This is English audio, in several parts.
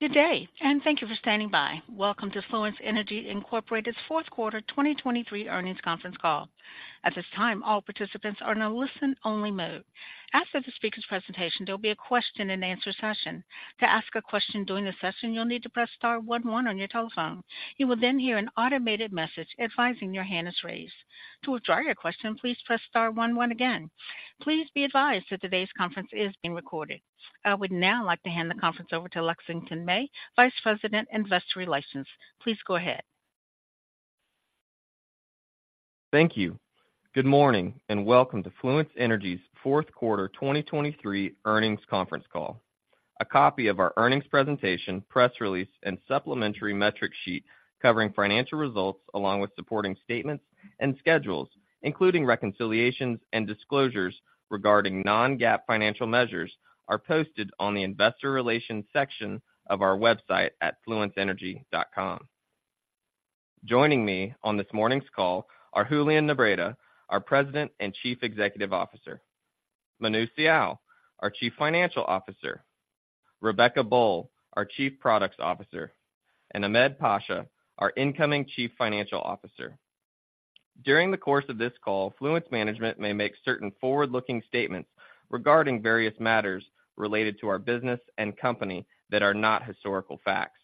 Good day, and thank you for standing by. Welcome to Fluence Energy, Inc. Q4 2023 earnings conference call. At this time, all participants are in a listen-only mode. After the speaker's presentation, there'll be a question-and-answer session. To ask a question during the session, you'll need to press star one one on your telephone. You will then hear an automated message advising your hand is raised. To withdraw your question, please press star one one again. Please be advised that today's conference is being recorded. I would now like to hand the conference over to Lexington May, Vice President, Investor Relations. Please go ahead. Thank you. Good morning, and welcome to Fluence Energy's Q4 2023 earnings conference call. A copy of our earnings presentation, press release, and supplementary metric sheet covering financial results, along with supporting statements and schedules, including reconciliations and disclosures regarding non-GAAP financial measures, are posted on the investor relations section of our website at fluenceenergy.com. Joining me on this morning's call are Julian Nebreda, our President and Chief Executive Officer; Manu Sial, our Chief Financial Officer; Rebecca Boll, our Chief Products Officer; and Ahmed Pasha, our incoming Chief Financial Officer. During the course of this call, Fluence management may make certain forward-looking statements regarding various matters related to our business and company that are not historical facts.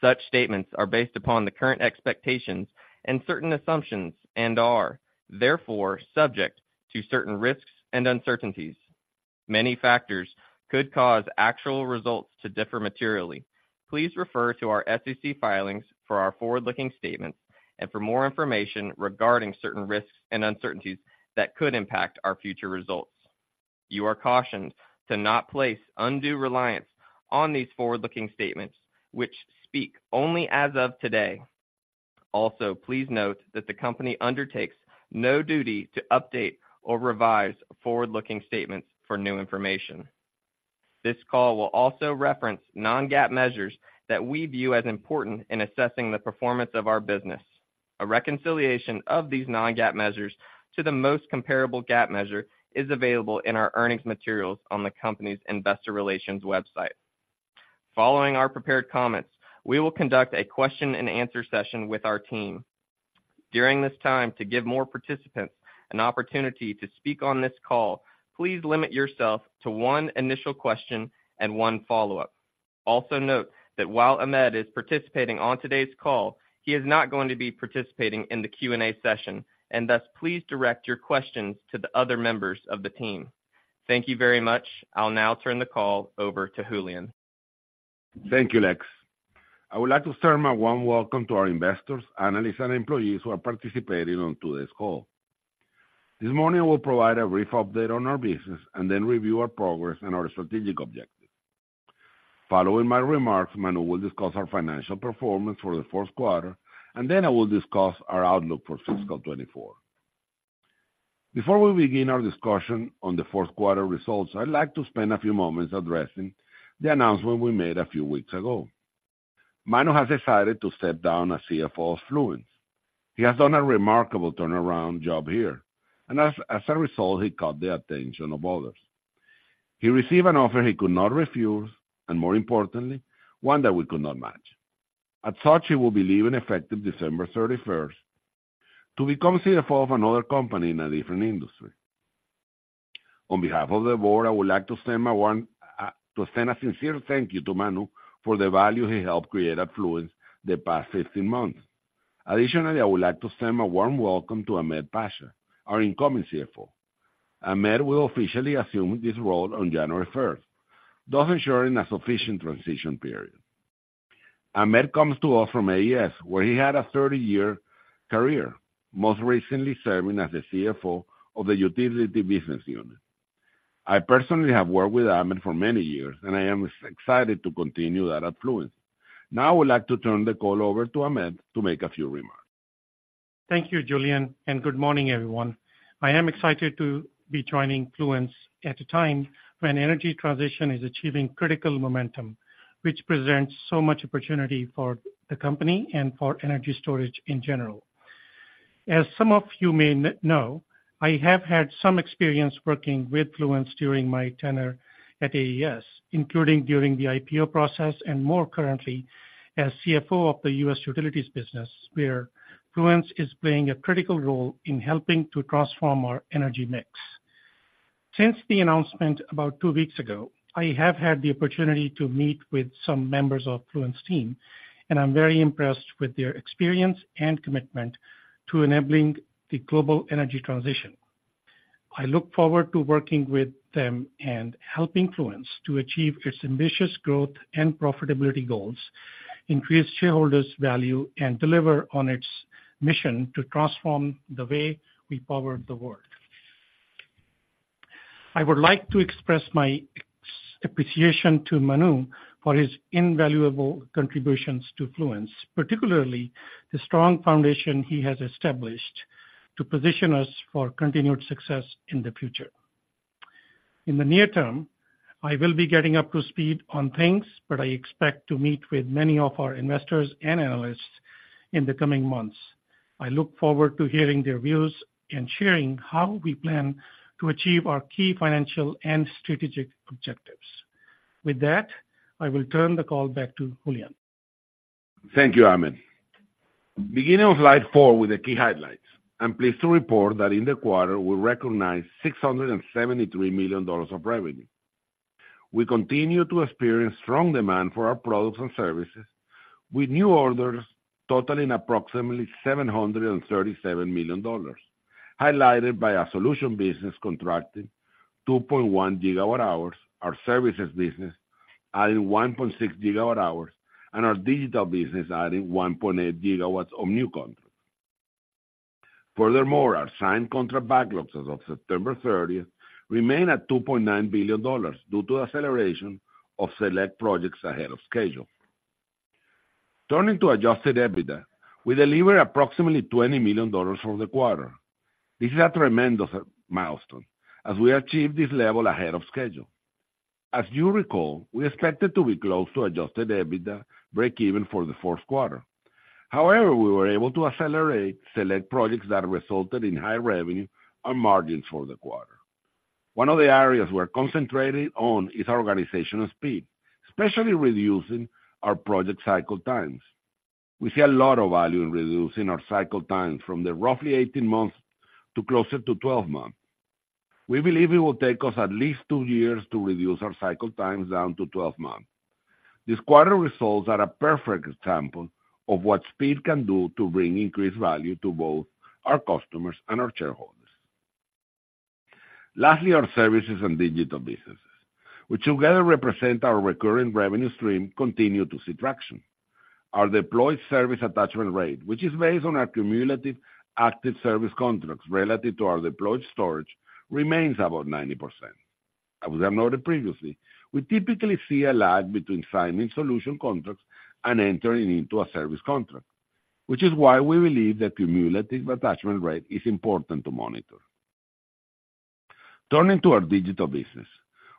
Such statements are based upon the current expectations and certain assumptions and are therefore subject to certain risks and uncertainties. Many factors could cause actual results to differ materially. Please refer to our SEC filings for our forward-looking statements and for more information regarding certain risks and uncertainties that could impact our future results. You are cautioned to not place undue reliance on these forward-looking statements, which speak only as of today. Also, please note that the company undertakes no duty to update or revise forward-looking statements for new information. This call will also reference non-GAAP measures that we view as important in assessing the performance of our business. A reconciliation of these non-GAAP measures to the most comparable GAAP measure is available in our earnings materials on the company's investor relations website. Following our prepared comments, we will conduct a question-and-answer session with our team. During this time, to give more participants an opportunity to speak on this call, please limit yourself to one initial question and one follow-up. Also note that while Ahmed is participating on today's call, he is not going to be participating in the Q&A session, and thus, please direct your questions to the other members of the team. Thank you very much. I'll now turn the call over to Julian. Thank you, Lex. I would like to start my warm welcome to our investors, analysts, and employees who are participating on today's call. This morning, I will provide a brief update on our business and then review our progress and our strategic objectives. Following my remarks, Manu will discuss our financial performance for the Q4, and then I will discuss our outlook for fiscal 2024. Before we begin our discussion on the Q4 results, I'd like to spend a few moments addressing the announcement we made a few weeks ago. Manu has decided to step down as CFO of Fluence. He has done a remarkable turnaround job here, and as a result, he caught the attention of others. He received an offer he could not refuse and, more importantly, one that we could not match. As such, he will be leaving effective December 31 to become CFO of another company in a different industry. On behalf of the board, I would like to send my warm to send a sincere thank you to Manu for the value he helped create at Fluence the past 15 months. Additionally, I would like to send a warm welcome to Ahmed Pasha, our incoming CFO. Ahmed will officially assume this role on January 1, thus ensuring a sufficient transition period. Ahmed comes to us from AES, where he had a 30-year career, most recently serving as the CFO of the Utility Business unit. I personally have worked with Ahmed for many years, and I am excited to continue that at Fluence. Now, I would like to turn the call over to Ahmed to make a few remarks. Thank you, Julian, and good morning, everyone. I am excited to be joining Fluence at a time when energy transition is achieving critical momentum, which presents so much opportunity for the company and for energy storage in general. As some of you may know, I have had some experience working with Fluence during my tenure at AES, including during the IPO process and more currently as CFO of the U.S. Utilities business, where Fluence is playing a critical role in helping to transform our energy mix. Since the announcement about two weeks ago, I have had the opportunity to meet with some members of Fluence team, and I'm very impressed with their experience and commitment to enabling the global energy transition. I look forward to working with them and helping Fluence to achieve its ambitious growth and profitability goals, increase shareholders' value, and deliver on its mission to transform the way we power the world. I would like to express my appreciation to Manu for his invaluable contributions to Fluence, particularly the strong foundation he has established to position us for continued success in the future. In the near term, I will be getting up to speed on things, but I expect to meet with many of our investors and analysts in the coming months. I look forward to hearing their views and sharing how we plan to achieve our key financial and strategic objectives. With that, I will turn the call back to Julian. Thank you, Ahmed. Beginning on slide four with the key highlights. I'm pleased to report that in the quarter, we recognized $673 million of revenue. We continue to experience strong demand for our products and services, with new orders totaling approximately $737 million, highlighted by our solution business contracting 2.1 GWh, our services business adding 1.6 GWh, and our digital business adding 1.8 GW of new contracts. Furthermore, our signed contract backlogs as of September 30 remain at $2.9 billion, due to acceleration of select projects ahead of schedule. Turning to adjusted EBITDA, we delivered approximately $20 million for the quarter. This is a tremendous milestone, as we achieved this level ahead of schedule. As you recall, we expected to be close to adjusted EBITDA breakeven for the Q4. However, we were able to accelerate select projects that resulted in high revenue and margins for the quarter. One of the areas we're concentrating on is organizational speed, especially reducing our project cycle times. We see a lot of value in reducing our cycle times from the roughly 18 months to closer to 12 months. We believe it will take us at least two years to reduce our cycle times down to 12 months. These quarter results are a perfect example of what speed can do to bring increased value to both our customers and our shareholders. Lastly, our services and digital businesses, which together represent our recurring revenue stream, continue to see traction. Our deployed service attachment rate, which is based on our cumulative active service contracts relative to our deployed storage, remains about 90%. As I noted previously, we typically see a lag between signing solution contracts and entering into a service contract, which is why we believe the cumulative attachment rate is important to monitor. Turning to our digital business,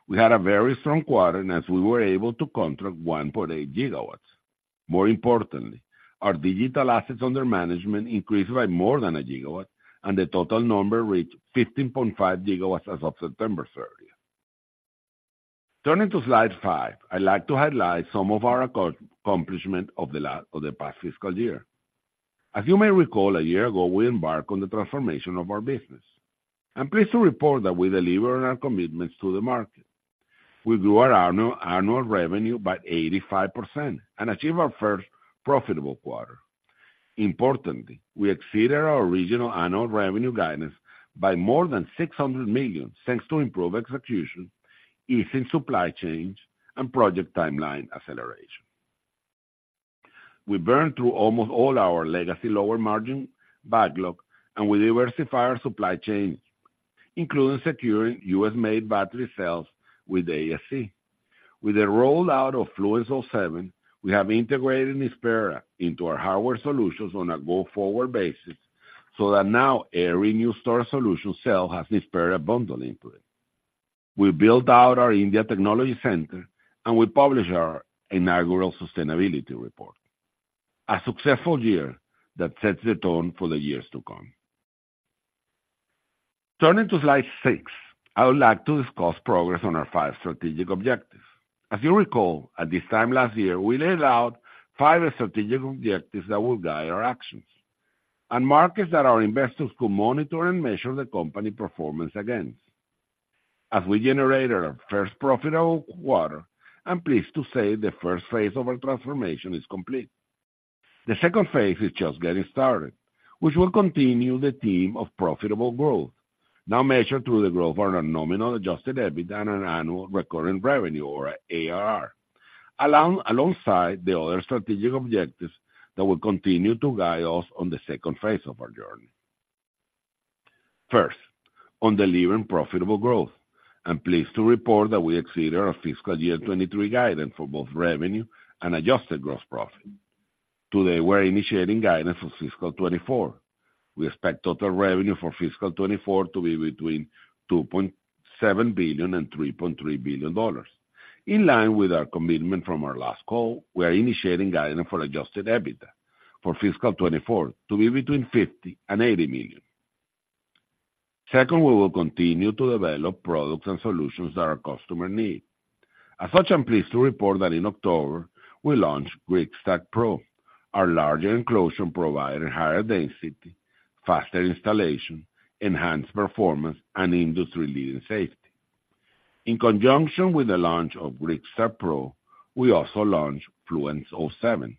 we had a very strong quarter, and as we were able to contract 1.8 GW. More importantly, our digital assets under management increased by more than a gigawatt, and the total number reached 15.5 GW as of September 30. Turning to slide five, I'd like to highlight some of our accomplishments of the past fiscal year. As you may recall, a year ago, we embarked on the transformation of our business. I'm pleased to report that we delivered on our commitments to the market. We grew our annual revenue by 85% and achieved our first profitable quarter. Importantly, we exceeded our original annual revenue guidance by more than $600 million, thanks to improved execution, easing supply chains, and project timeline acceleration. We burned through almost all our legacy lower margin backlog, and we diversified our supply chains, including securing U.S.-made battery cells with AESC. With the rollout of Fluence OS 7, we have integrated Nispera into our hardware solutions on a go-forward basis, so that now every new storage solution cell has Nispera bundled into it. We built out our India Technology Center, and we published our inaugural sustainability report. A successful year that sets the tone for the years to come. Turning to slide 6, I would like to discuss progress on our five strategic objectives. As you recall, at this time last year, we laid out five strategic objectives that will guide our actions, and markets that our investors could monitor and measure the company performance against. As we generated our first profitable quarter, I'm pleased to say the first phase of our transformation is complete. The second phase is just getting started, which will continue the theme of profitable growth, now measured through the growth of our nominal Adjusted EBITDA and an annual recurring revenue or ARR, along, alongside the other strategic objectives that will continue to guide us on the second phase of our journey. First, on delivering profitable growth. I'm pleased to report that we exceeded our fiscal year 2023 guidance for both revenue and adjusted gross profit. Today, we're initiating guidance for fiscal 2024. We expect total revenue for fiscal 2024 to be between $2.7 billion and $3.3 billion. In line with our commitment from our last call, we are initiating guidance for adjusted EBITDA for fiscal 2024 to be between $50 million and $80 million. Second, we will continue to develop products and solutions that our customers need. As such, I'm pleased to report that in October, we launched Gridstack Pro, our larger enclosure providing higher density, faster installation, enhanced performance, and industry-leading safety. In conjunction with the launch of Gridstack Pro, we also launched Fluence OS 7,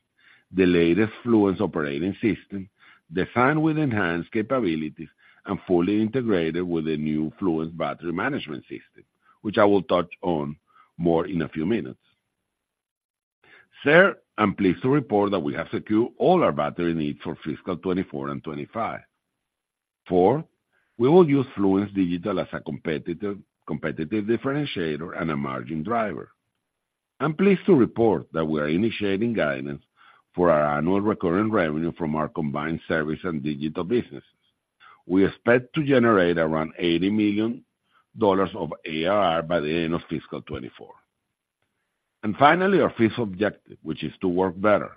the latest Fluence operating system, designed with enhanced capabilities and fully integrated with the new Fluence Battery Management System, which I will touch on more in a few minutes. Third, I'm pleased to report that we have secured all our battery needs for fiscal 2024 and 2025. Four, we will use Fluence Digital as a competitive, competitive differentiator and a margin driver. I'm pleased to report that we are initiating guidance for our annual recurring revenue from our combined service and digital businesses. We expect to generate around $80 million of ARR by the end of fiscal 2024.... And finally, our fifth objective, which is to work better.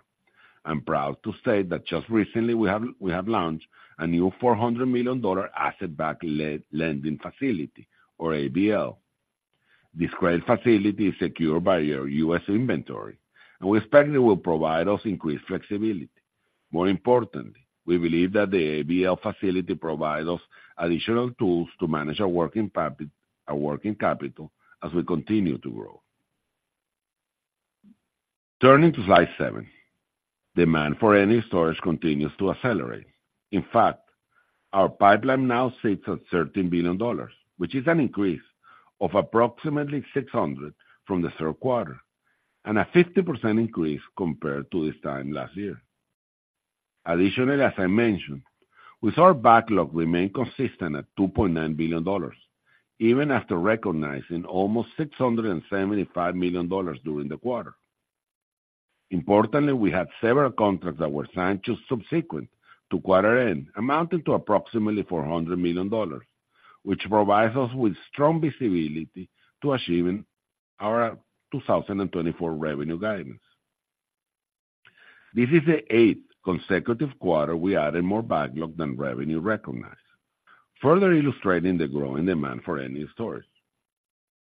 I'm proud to say that just recently we have, we have launched a new $400 million asset-backed lending facility, or ABL. This credit facility is secured by our U.S. inventory, and we expect it will provide us increased flexibility. More importantly, we believe that the ABL facility provides us additional tools to manage our working capital, our working capital, as we continue to grow. Turning to slide seven. Demand for energy storage continues to accelerate. In fact, our pipeline now sits at $13 billion, which is an increase of approximately $600 million from the Q3, and a 50% increase compared to this time last year. Additionally, as I mentioned, with our backlog remain consistent at $2.9 billion, even after recognizing almost $675 million during the quarter. Importantly, we had several contracts that were signed just subsequent to quarter end, amounting to approximately $400 million, which provides us with strong visibility to achieving our 2024 revenue guidance. This is the eighth consecutive quarter we added more backlog than revenue recognized, further illustrating the growing demand for energy storage.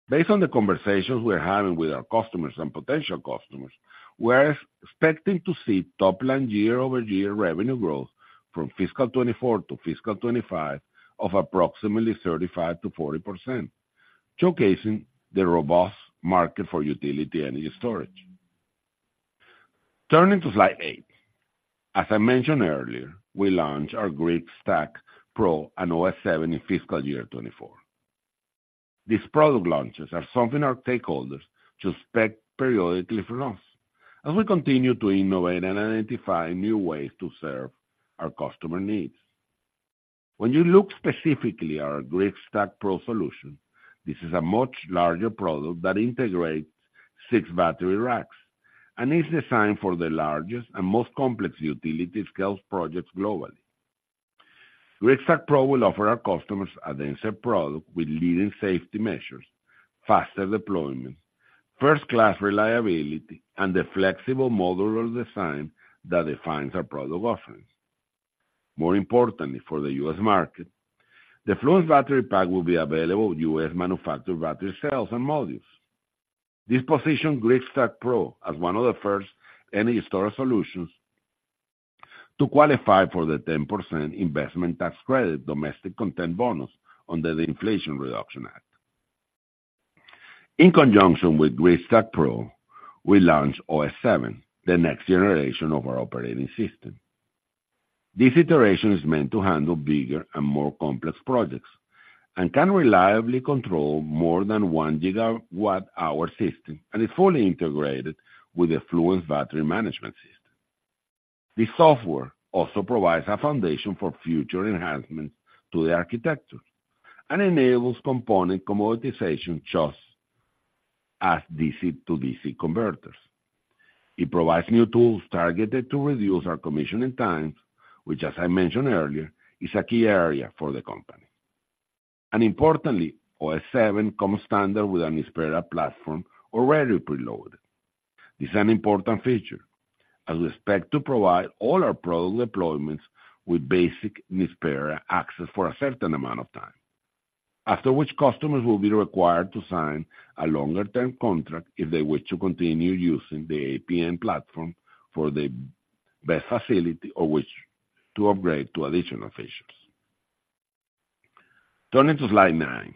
Based on the conversations we're having with our customers and potential customers, we're expecting to see top-line year-over-year revenue growth from fiscal 2024 to fiscal 2025 of approximately 35%-40%, showcasing the robust market for utility energy storage. Turning to slide eight. As I mentioned earlier, we launched our Gridstack Pro and OS 7 in fiscal year 2024. These product launches are something our stakeholders should expect periodically from us, as we continue to innovate and identify new ways to serve our customer needs. When you look specifically at our Gridstack Pro solution, this is a much larger product that integrates six battery racks, and is designed for the largest and most complex utility-scale projects globally. Gridstack Pro will offer our customers a denser product with leading safety measures, faster deployment, first-class reliability, and the flexible modular design that defines our product offerings. More importantly for the U.S. market, the Fluence battery pack will be available with U.S.-manufactured battery cells and modules. This positions Gridstack Pro as one of the first energy storage solutions to qualify for the 10% investment tax credit domestic content bonus under the Inflation Reduction Act. In conjunction with Gridstack Pro, we launched OS 7, the next generation of our operating system. This iteration is meant to handle bigger and more complex projects, and can reliably control more than 1 GWh system, and is fully integrated with the Fluence Battery Management System. This software also provides a foundation for future enhancements to the architecture, and enables component commoditization, such as DC-to-DC converters. It provides new tools targeted to reduce our commissioning times, which, as I mentioned earlier, is a key area for the company. Importantly, OS 7 comes standard with a Nispera platform already preloaded. This is an important feature, as we expect to provide all our product deployments with basic Nispera access for a certain amount of time, after which customers will be required to sign a longer-term contract if they wish to continue using the APM platform for the BESS facility, or wish to upgrade to additional features. Turning to slide nine.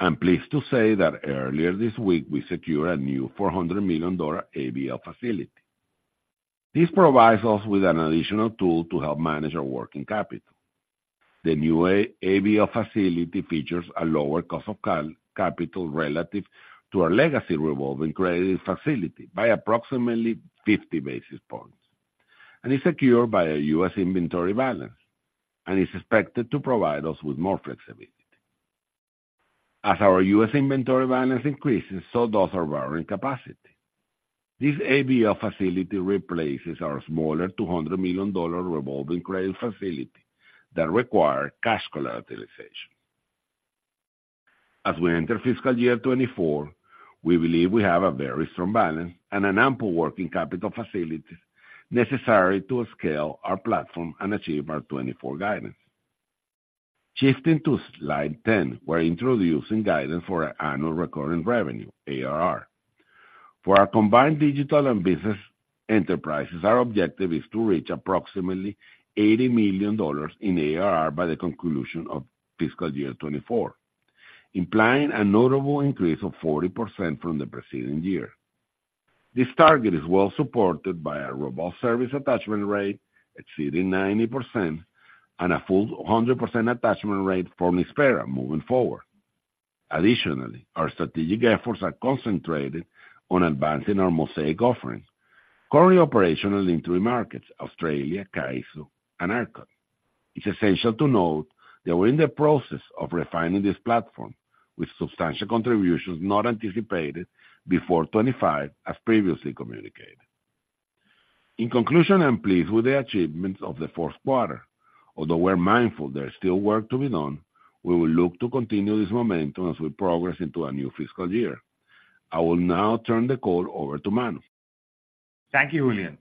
I'm pleased to say that earlier this week, we secured a new $400 million ABL facility. This provides us with an additional tool to help manage our working capital. The new ABL facility features a lower cost of capital relative to our legacy revolving credit facility by approximately 50 basis points, and is secured by a U.S. inventory balance, and is expected to provide us with more flexibility. As our U.S. inventory balance increases, so does our borrowing capacity. This ABL facility replaces our smaller $200 million revolving credit facility that require cash collateralization. As we enter fiscal year 2024, we believe we have a very strong balance and an ample working capital facilities necessary to scale our platform and achieve our 2024 guidance. Shifting to slide 10, we're introducing guidance for our annual recurring revenue, ARR. For our combined digital and business enterprises, our objective is to reach approximately $80 million in ARR by the conclusion of fiscal year 2024, implying a notable increase of 40% from the preceding year. This target is well supported by a robust service attachment rate exceeding 90%, and a full 100% attachment rate for Nispera moving forward. Additionally, our strategic efforts are concentrated on advancing our Mosaic offerings, currently operational in three markets: Australia, CAISO, and ERCOT. It's essential to note that we're in the process of refining this platform, with substantial contributions not anticipated before 2025, as previously communicated... In conclusion, I'm pleased with the achievements of the Q4. Although we're mindful there's still work to be done, we will look to continue this momentum as we progress into our new fiscal year. I will now turn the call over to Manu. Thank you, Julian.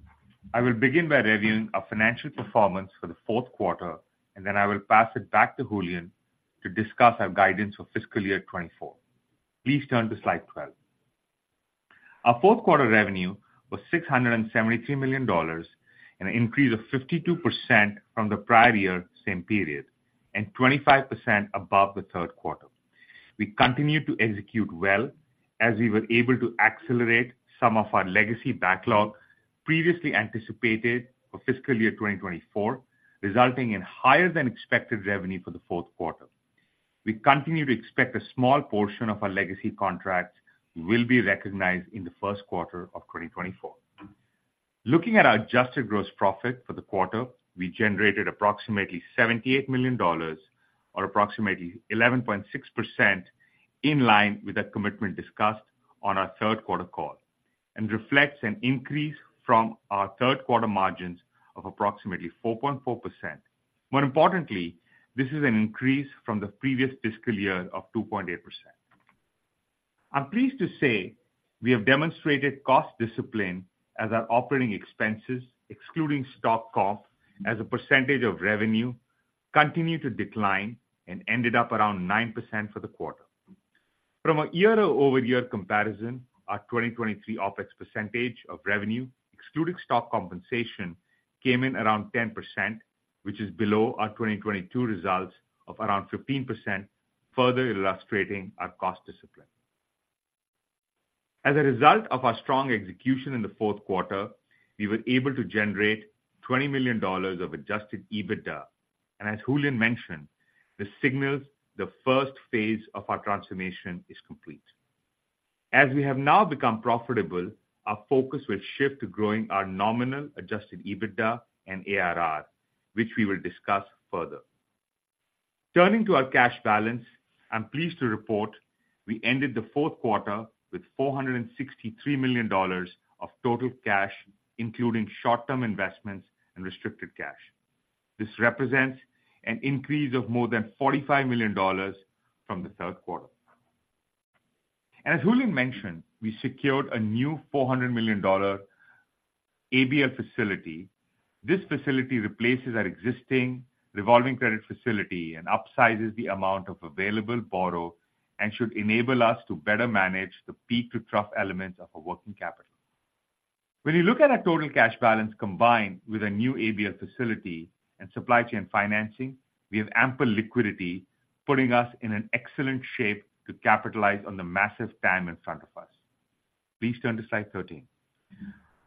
I will begin by reviewing our financial performance for the Q4, and then I will pass it back to Julian to discuss our guidance for fiscal year 2024. Please turn to slide 12. Our Q4 revenue was $673 million, an increase of 52% from the prior year same period, and 25% above the Q3. We continued to execute well, as we were able to accelerate some of our legacy backlog previously anticipated for fiscal year 2024, resulting in higher than expected revenue for the Q4. We continue to expect a small portion of our legacy contracts will be recognized in the Q1 of 2024. Looking at our adjusted gross profit for the quarter, we generated approximately $78 million or approximately 11.6%, in line with that commitment discussed on our Q3 call, and reflects an increase from our Q3 margins of approximately 4.4%. More importantly, this is an increase from the previous fiscal year of 2.8%. I'm pleased to say we have demonstrated cost discipline as our operating expenses, excluding stock cost, as a percentage of revenue, continued to decline and ended up around 9% for the quarter. From a year-over-year comparison, our 2023 OpEx percentage of revenue, excluding stock compensation, came in around 10%, which is below our 2022 results of around 15%, further illustrating our cost discipline. As a result of our strong execution in the Q4, we were able to generate $20 million of Adjusted EBITDA, and as Julian mentioned, this signals the first phase of our transformation is complete. As we have now become profitable, our focus will shift to growing our nominal Adjusted EBITDA and ARR, which we will discuss further. Turning to our cash balance, I'm pleased to report we ended the Q4 with $463 million of total cash, including short-term investments and restricted cash. This represents an increase of more than $45 million from the Q3. As Julian mentioned, we secured a new $400 million ABL facility. This facility replaces our existing revolving credit facility and upsizes the amount of available borrow, and should enable us to better manage the peak-to-trough elements of our working capital. When you look at our total cash balance, combined with a new ABL facility and supply chain financing, we have ample liquidity, putting us in an excellent shape to capitalize on the massive TAM in front of us. Please turn to slide 13.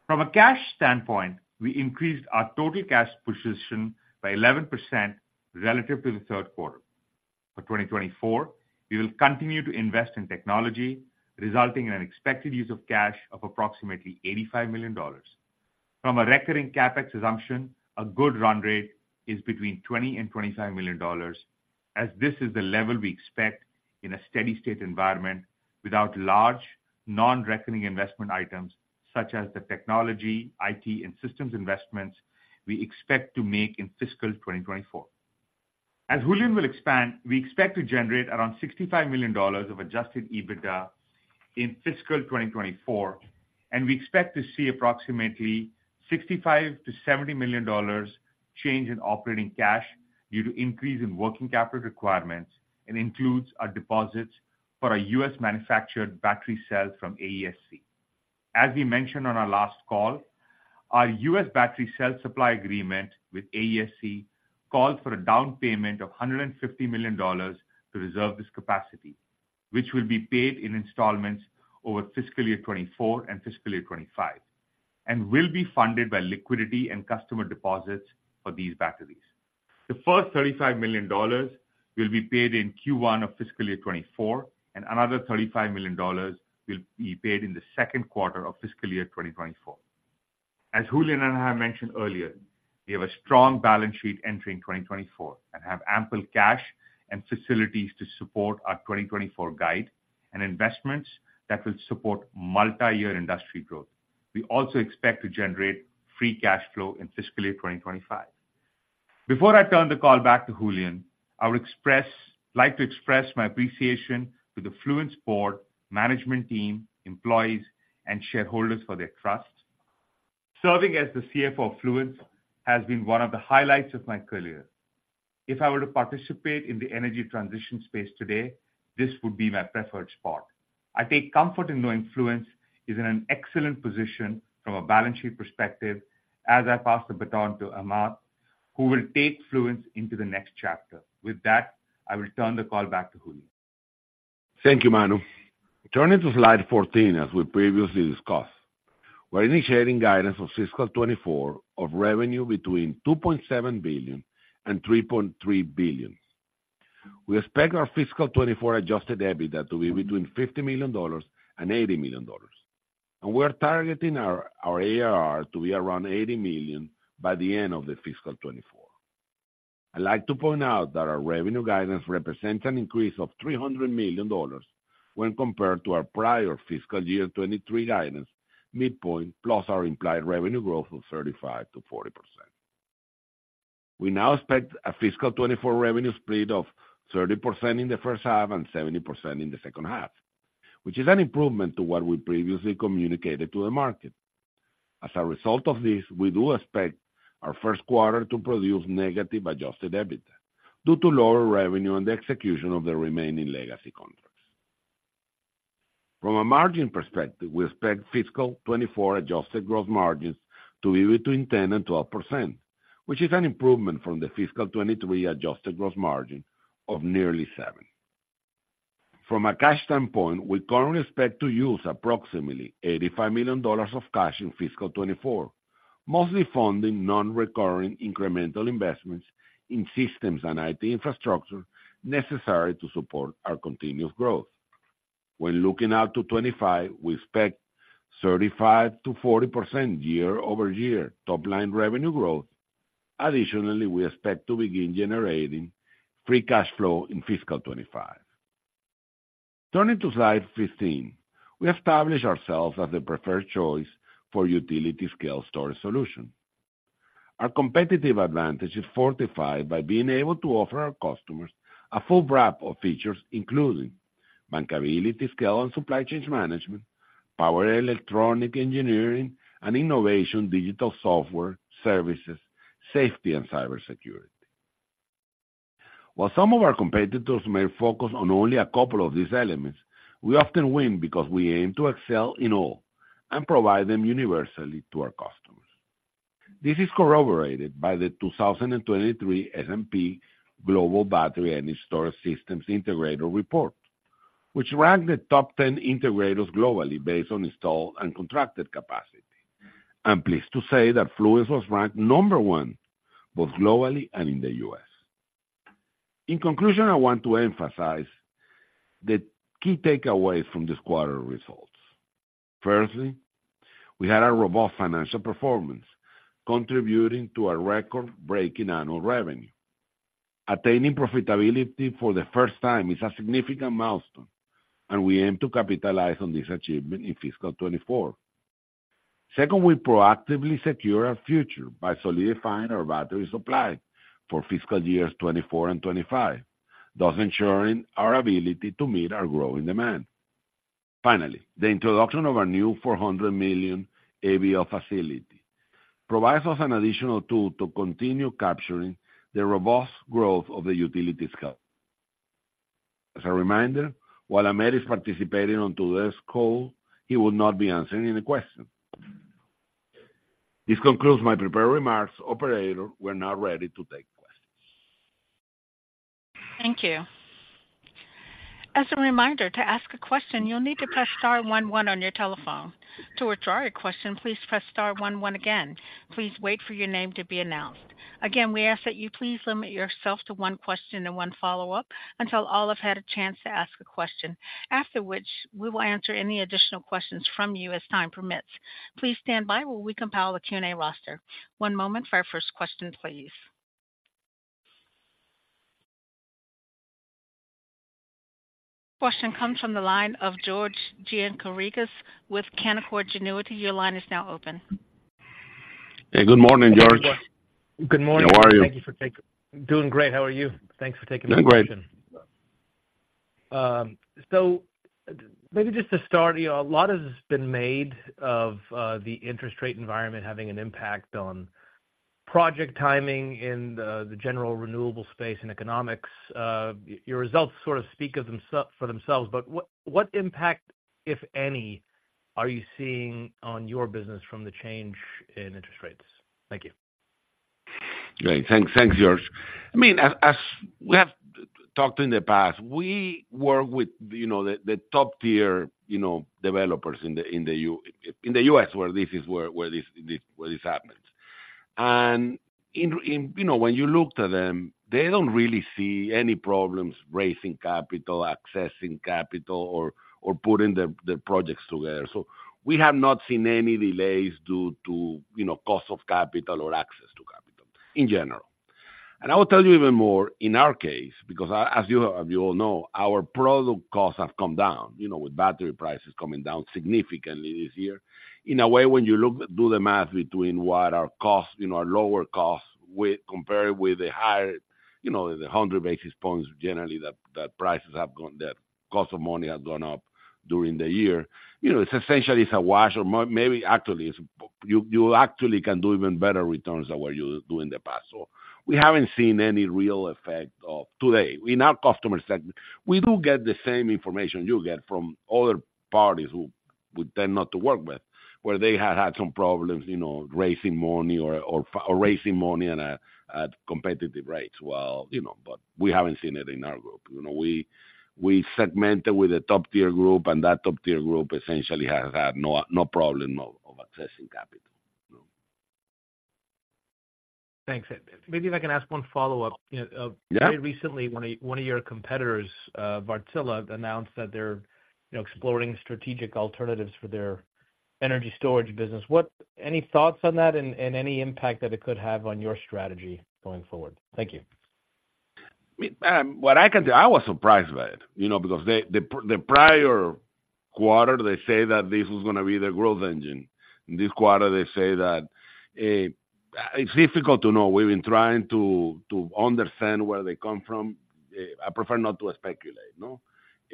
From a cash standpoint, we increased our total cash position by 11% relative to the Q3. For 2024, we will continue to invest in technology, resulting in an expected use of cash of approximately $85 million. From a recurring CapEx assumption, a good run rate is between $20 million and $25 million, as this is the level we expect in a steady state environment without large non-recurring investment items, such as the technology, IT, and systems investments we expect to make in fiscal 2024. As Julian will expand, we expect to generate around $65 million of adjusted EBITDA in fiscal 2024, and we expect to see approximately $65 million-$70 million change in operating cash due to increase in working capital requirements, and includes our deposits for our US-manufactured battery cells from AESC. As we mentioned on our last call, our U.S. battery cell supply agreement with AESC called for a down payment of $150 million to reserve this capacity, which will be paid in installments over fiscal year 2024 and fiscal year 2025, and will be funded by liquidity and customer deposits for these batteries. The first $35 million will be paid in Q1 of fiscal year 2024, and another $35 million will be paid in the Q2 of fiscal year 2024. As Julian and I mentioned earlier, we have a strong balance sheet entering 2024 and have ample cash and facilities to support our 2024 guide and investments that will support multiyear industry growth. We also expect to generate free cash flow in fiscal year 2025. Before I turn the call back to Julian, I would like to express my appreciation to the Fluence board, management team, employees, and shareholders for their trust. Serving as the CFO of Fluence has been one of the highlights of my career. If I were to participate in the energy transition space today, this would be my preferred spot. I take comfort in knowing Fluence is in an excellent position from a balance sheet perspective as I pass the baton to Ahmed, who will take Fluence into the next chapter. With that, I will turn the call back to Julian. Thank you, Manu. Turning to slide 14, as we previously discussed, we're initiating guidance for fiscal 2024 of revenue between $2.7 billion and $3.3 billion. We expect our fiscal 2024 Adjusted EBITDA to be between $50 million and $80 million, and we are targeting our, our ARR to be around $80 million by the end of fiscal 2024.... I'd like to point out that our revenue guidance represents an increase of $300 million when compared to our prior fiscal year 2023 guidance, midpoint, plus our implied revenue growth of 35%-40%. We now expect a fiscal 2024 revenue split of 30% in the first half and 70% in the second half, which is an improvement to what we previously communicated to the market. As a result of this, we do expect our Q1 to produce negative Adjusted EBITDA due to lower revenue and the execution of the remaining legacy contracts. From a margin perspective, we expect fiscal 2024 Adjusted gross margins to be between 10%-12%, which is an improvement from the fiscal 2023 Adjusted gross margin of nearly 7%. From a cash standpoint, we currently expect to use approximately $85 million of cash in fiscal 2024, mostly funding non-recurring incremental investments in systems and IT infrastructure necessary to support our continuous growth. When looking out to 2025, we expect 35%-40% year-over-year top-line revenue growth. Additionally, we expect to begin generating free cash flow in fiscal 2025. Turning to slide 15, we established ourselves as the preferred choice for utility scale storage solution. Our competitive advantage is fortified by being able to offer our customers a full wrap of features, including bankability, scale and supply chain management, power, electronic engineering, and innovation, digital software, services, safety, and cybersecurity. While some of our competitors may focus on only a couple of these elements, we often win because we aim to excel in all and provide them universally to our customers. This is corroborated by the 2023 S&P Global Battery and Storage Systems Integrator Report, which ranked the top 10 integrators globally based on installed and contracted capacity. I'm pleased to say that Fluence was ranked number one, both globally and in the U.S. In conclusion, I want to emphasize the key takeaways from this quarter results. Firstly, we had a robust financial performance, contributing to a record-breaking annual revenue. Attaining profitability for the first time is a significant milestone, and we aim to capitalize on this achievement in fiscal 2024. Second, we proactively secure our future by solidifying our battery supply for fiscal years 2024 and 2025, thus ensuring our ability to meet our growing demand. Finally, the introduction of our new $400 million ABL facility provides us an additional tool to continue capturing the robust growth of the utility-scale. As a reminder, while Ahmed is participating on today's call, he will not be answering any questions. This concludes my prepared remarks. Operator, we're now ready to take questions. Thank you. As a reminder, to ask a question, you'll need to press star one one on your telephone. To withdraw your question, please press star one one again. Please wait for your name to be announced. Again, we ask that you please limit yourself to one question and one follow-up until all have had a chance to ask a question, after which we will answer any additional questions from you as time permits. Please stand by while we compile a Q&A roster. One moment for our first question, please. Question comes from the line of George Gianarikas with Canaccord Genuity. Your line is now open. Hey, good morning, George. Good morning. How are you? Doing great. How are you? Thanks for taking my question. Doing great. So maybe just to start, you know, a lot has been made of the interest rate environment having an impact on project timing in the general renewable space and economics. Your results sort of speak for themselves, but what impact, if any, are you seeing on your business from the change in interest rates? Thank you. Great. Thanks, thanks, George. I mean, as we have talked in the past, we work with, you know, the top-tier, you know, developers in the U.S., where this happens. And in. You know, when you look to them, they don't really see any problems raising capital, accessing capital, or putting the projects together. So we have not seen any delays due to, you know, cost of capital or access to capital in general. And I will tell you even more, in our case, because as you all know, our product costs have come down, you know, with battery prices coming down significantly this year. In a way, when you look, do the math between what our costs, you know, our lower costs compared with the higher, you know, the 100 basis points, generally, that prices have gone, the cost of money has gone up during the year, you know, it's essentially a wash, or maybe actually, you actually can do even better returns than what you do in the past. So we haven't seen any real effect of today. In our customer segment, we do get the same information you get from other parties who we tend not to work with, where they have had some problems, you know, raising money or raising money at competitive rates, well, you know, but we haven't seen it in our group. You know, we segment with a top-tier group, and that top-tier group essentially has had no problem of accessing capital, you know. Thanks. Maybe if I can ask one follow-up, you know, Yeah. Very recently, one of your competitors, Wärtsilä, announced that they're, you know, exploring strategic alternatives for their energy storage business, any thoughts on that and any impact that it could have on your strategy going forward? Thank you. I mean, what I can tell you, I was surprised by it, you know, because the prior quarter, they say that this was gonna be the growth engine. In this quarter, they say that it's difficult to know. We've been trying to understand where they come from. I prefer not to speculate,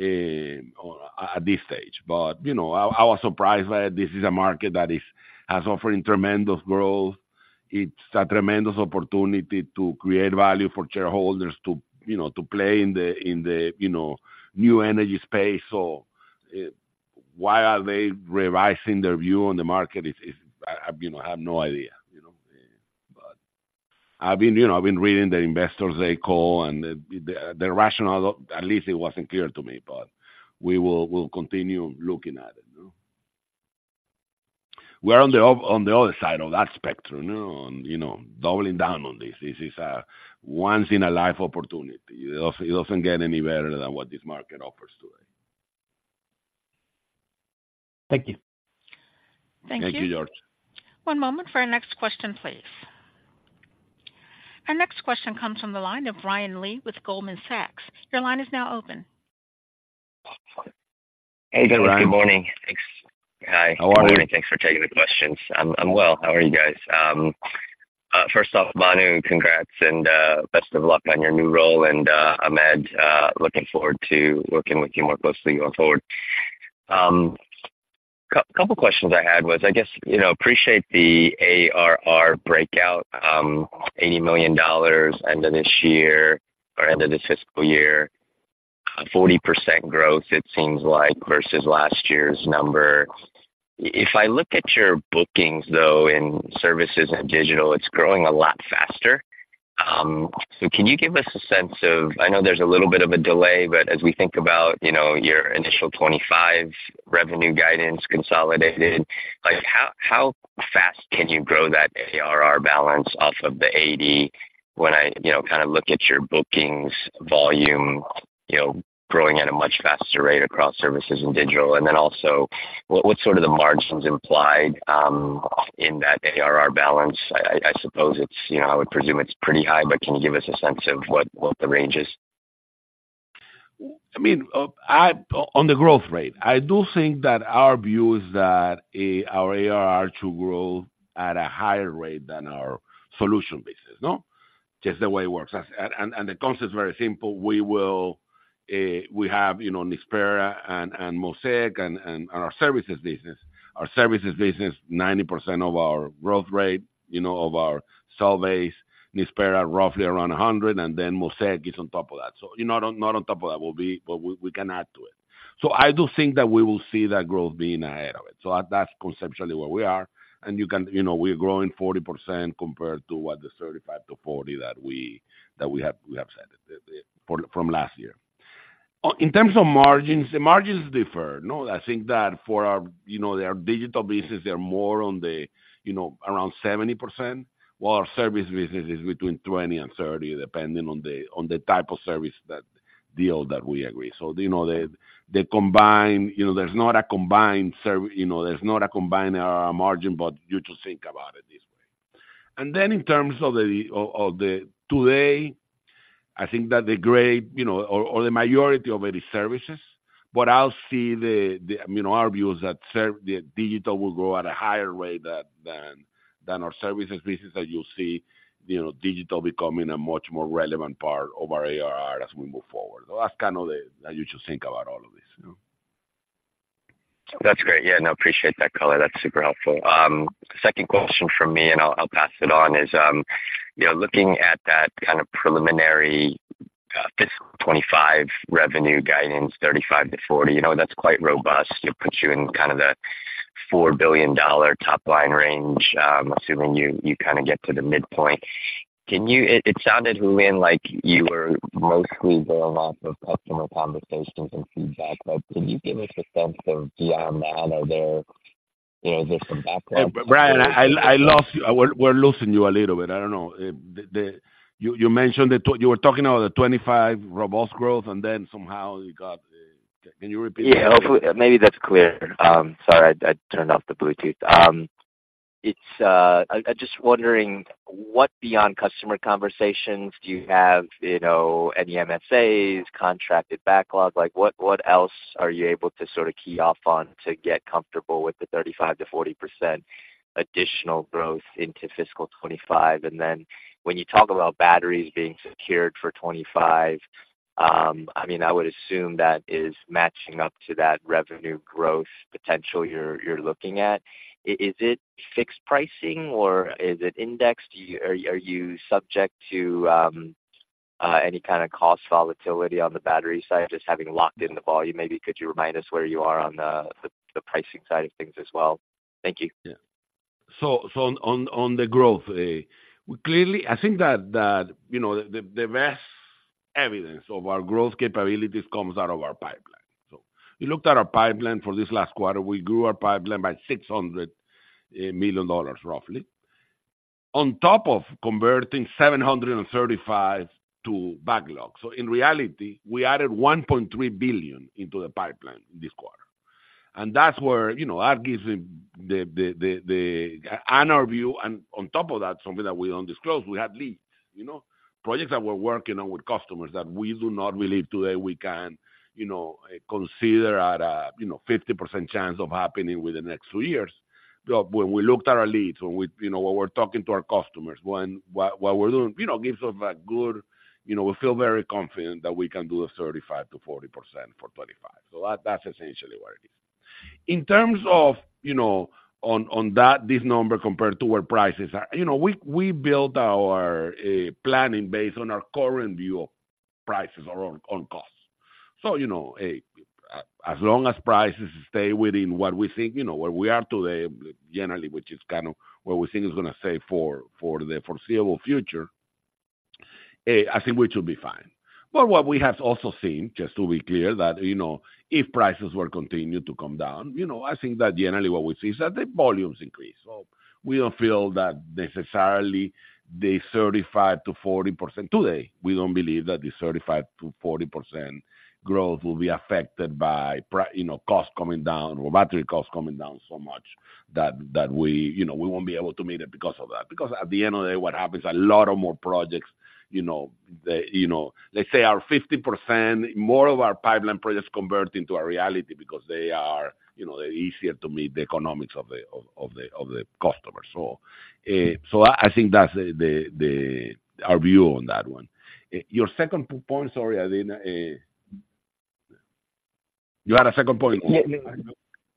no, or at this stage. But, you know, I was surprised by it. This is a market that has offering tremendous growth. It's a tremendous opportunity to create value for shareholders, you know, to play in the new energy space. So, why are they revising their view on the market? It's, I have no idea, you know. But I've been, you know, I've been reading the investors they call, and the rationale, at least it wasn't clear to me, but we'll continue looking at it, you know. We're on the other side of that spectrum, you know, and, you know, doubling down on this. This is a once-in-a-life opportunity. It doesn't get any better than what this market offers today. Thank you. Thank you. Thank you, George. One moment for our next question, please. Our next question comes from the line of Brian Lee with Goldman Sachs. Your line is now open. Hey there, Brian. Good morning. Thanks. Hi. How are you? Thanks for taking the questions. I'm well. How are you guys? First off, Manu, congrats, and best of luck on your new role, and Ahmed, looking forward to working with you more closely going forward. Couple questions I had was, I guess, you know, appreciate the ARR breakout, $80 million end of this year or end of this fiscal year, a 40% growth, it seems like, versus last year's number. If I look at your bookings, though, in services and digital, it's growing a lot faster. So can you give us a sense of... I know there's a little bit of a delay, but as we think about, you know, your initial $25 revenue guidance consolidated, like, how, how fast can you grow that ARR balance off of the $80 when I, you know, kind of look at your bookings volume, you know, growing at a much faster rate across services and digital? And then also, what, what's sort of the margins implied in that ARR balance? I suppose it's, you know, I would presume it's pretty high, but can you give us a sense of what, what the range is? I mean, on the growth rate, I do think that our view is that our ARR to grow at a higher rate than our solution business, no? Just the way it works. And, and, and the concept is very simple. We will, we have, you know, Nispera and, and, Mosaic and, and, and our services business. Our services business, 90% of our growth rate, you know, of our services, Nispera, roughly around 100, and then Mosaic is on top of that. So, you know, not, not on top of that. We'll be- but we, we can add to it. So I do think that we will see that growth being ahead of it. So that's conceptually where we are, and you can- you know, we're growing 40% compared to what? The 35-40 that we have, we have said it from last year. In terms of margins, the margins differ, no? I think that for our, you know, their digital business, they're more on the, you know, around 70%, while our service business is between 20%-30%, depending on the type of service, that deal that we agree. So, you know, the combined, you know, there's not a combined ser- you know, there's not a combined margin, but you just think about it this way. And then in terms of today, I think that, you know, the majority of it is services, but I'll see, I mean, our view is that the digital will grow at a higher rate than our services business, as you'll see, you know, digital becoming a much more relevant part of our ARR as we move forward. So that's kind of how you should think about all of this, you know. That's great. Yeah, no, appreciate that color. That's super helpful. Second question from me, and I'll pass it on, is, you know, looking at that kind of preliminary fiscal 2025 revenue guidance, $3.5 billion-$4 billion, you know, that's quite robust. It puts you in kind of the $4 billion top-line range, assuming you kinda get to the midpoint. It sounded, Julian, like you were mostly going off of customer conversations and feedback, but could you give us a sense of beyond that? Are there, you know, just some background- Brian, I lost you. We're losing you a little bit. I don't know. You mentioned the... You were talking about the 25 robust growth, and then somehow you got... Can you repeat that? Maybe that's clear. Sorry, I turned off the Bluetooth. I'm just wondering, what beyond customer conversations do you have, you know, any MSAs, contracted backlog? Like, what else are you able to sort of key off on to get comfortable with the 35%-40% additional growth into fiscal 2025? And then when you talk about batteries being secured for 2025, I mean, I would assume that is matching up to that revenue growth potential you're looking at. Is it fixed pricing or is it indexed? Are you subject to any kind of cost volatility on the battery side, just having locked in the volume? Maybe could you remind us where you are on the pricing side of things as well? Thank you. Yeah. So on the growth, clearly, I think that you know the best evidence of our growth capabilities comes out of our pipeline. So we looked at our pipeline for this last quarter. We grew our pipeline by $600 million, roughly, on top of converting $735 million to backlog. So in reality, we added $1.3 billion into the pipeline this quarter. And that's where, you know, that gives the and our view, and on top of that, something that we don't disclose, we have leads, you know? Projects that we're working on with customers that we do not believe today we can, you know, consider at a 50% chance of happening within the next two years. But when we looked at our leads, when we're talking to our customers, what we're doing gives us a good... You know, we feel very confident that we can do 35%-40% for 25. So that's essentially what it is. In terms of, you know, on that, this number compared to where prices are, you know, we build our planning based on our current view of prices or on costs. So, you know, as long as prices stay within what we think, you know, where we are today, generally, which is kind of where we think is gonna stay for the foreseeable future, I think we should be fine. But what we have also seen, just to be clear, that, you know, if prices were continued to come down, you know, I think that generally what we see is that the volumes increase. So we don't feel that necessarily the 35%-40% today, we don't believe that the 35%-40% growth will be affected by you know, costs coming down or battery costs coming down so much that we, you know, we won't be able to meet it because of that. Because at the end of the day, what happens, a lot of more projects, you know, they, you know, let's say 50% more of our pipeline projects convert into a reality because they are, you know, they're easier to meet the economics of the customers. So, I think that's our view on that one. Your second point, sorry, I didn't... You had a second point? Yeah.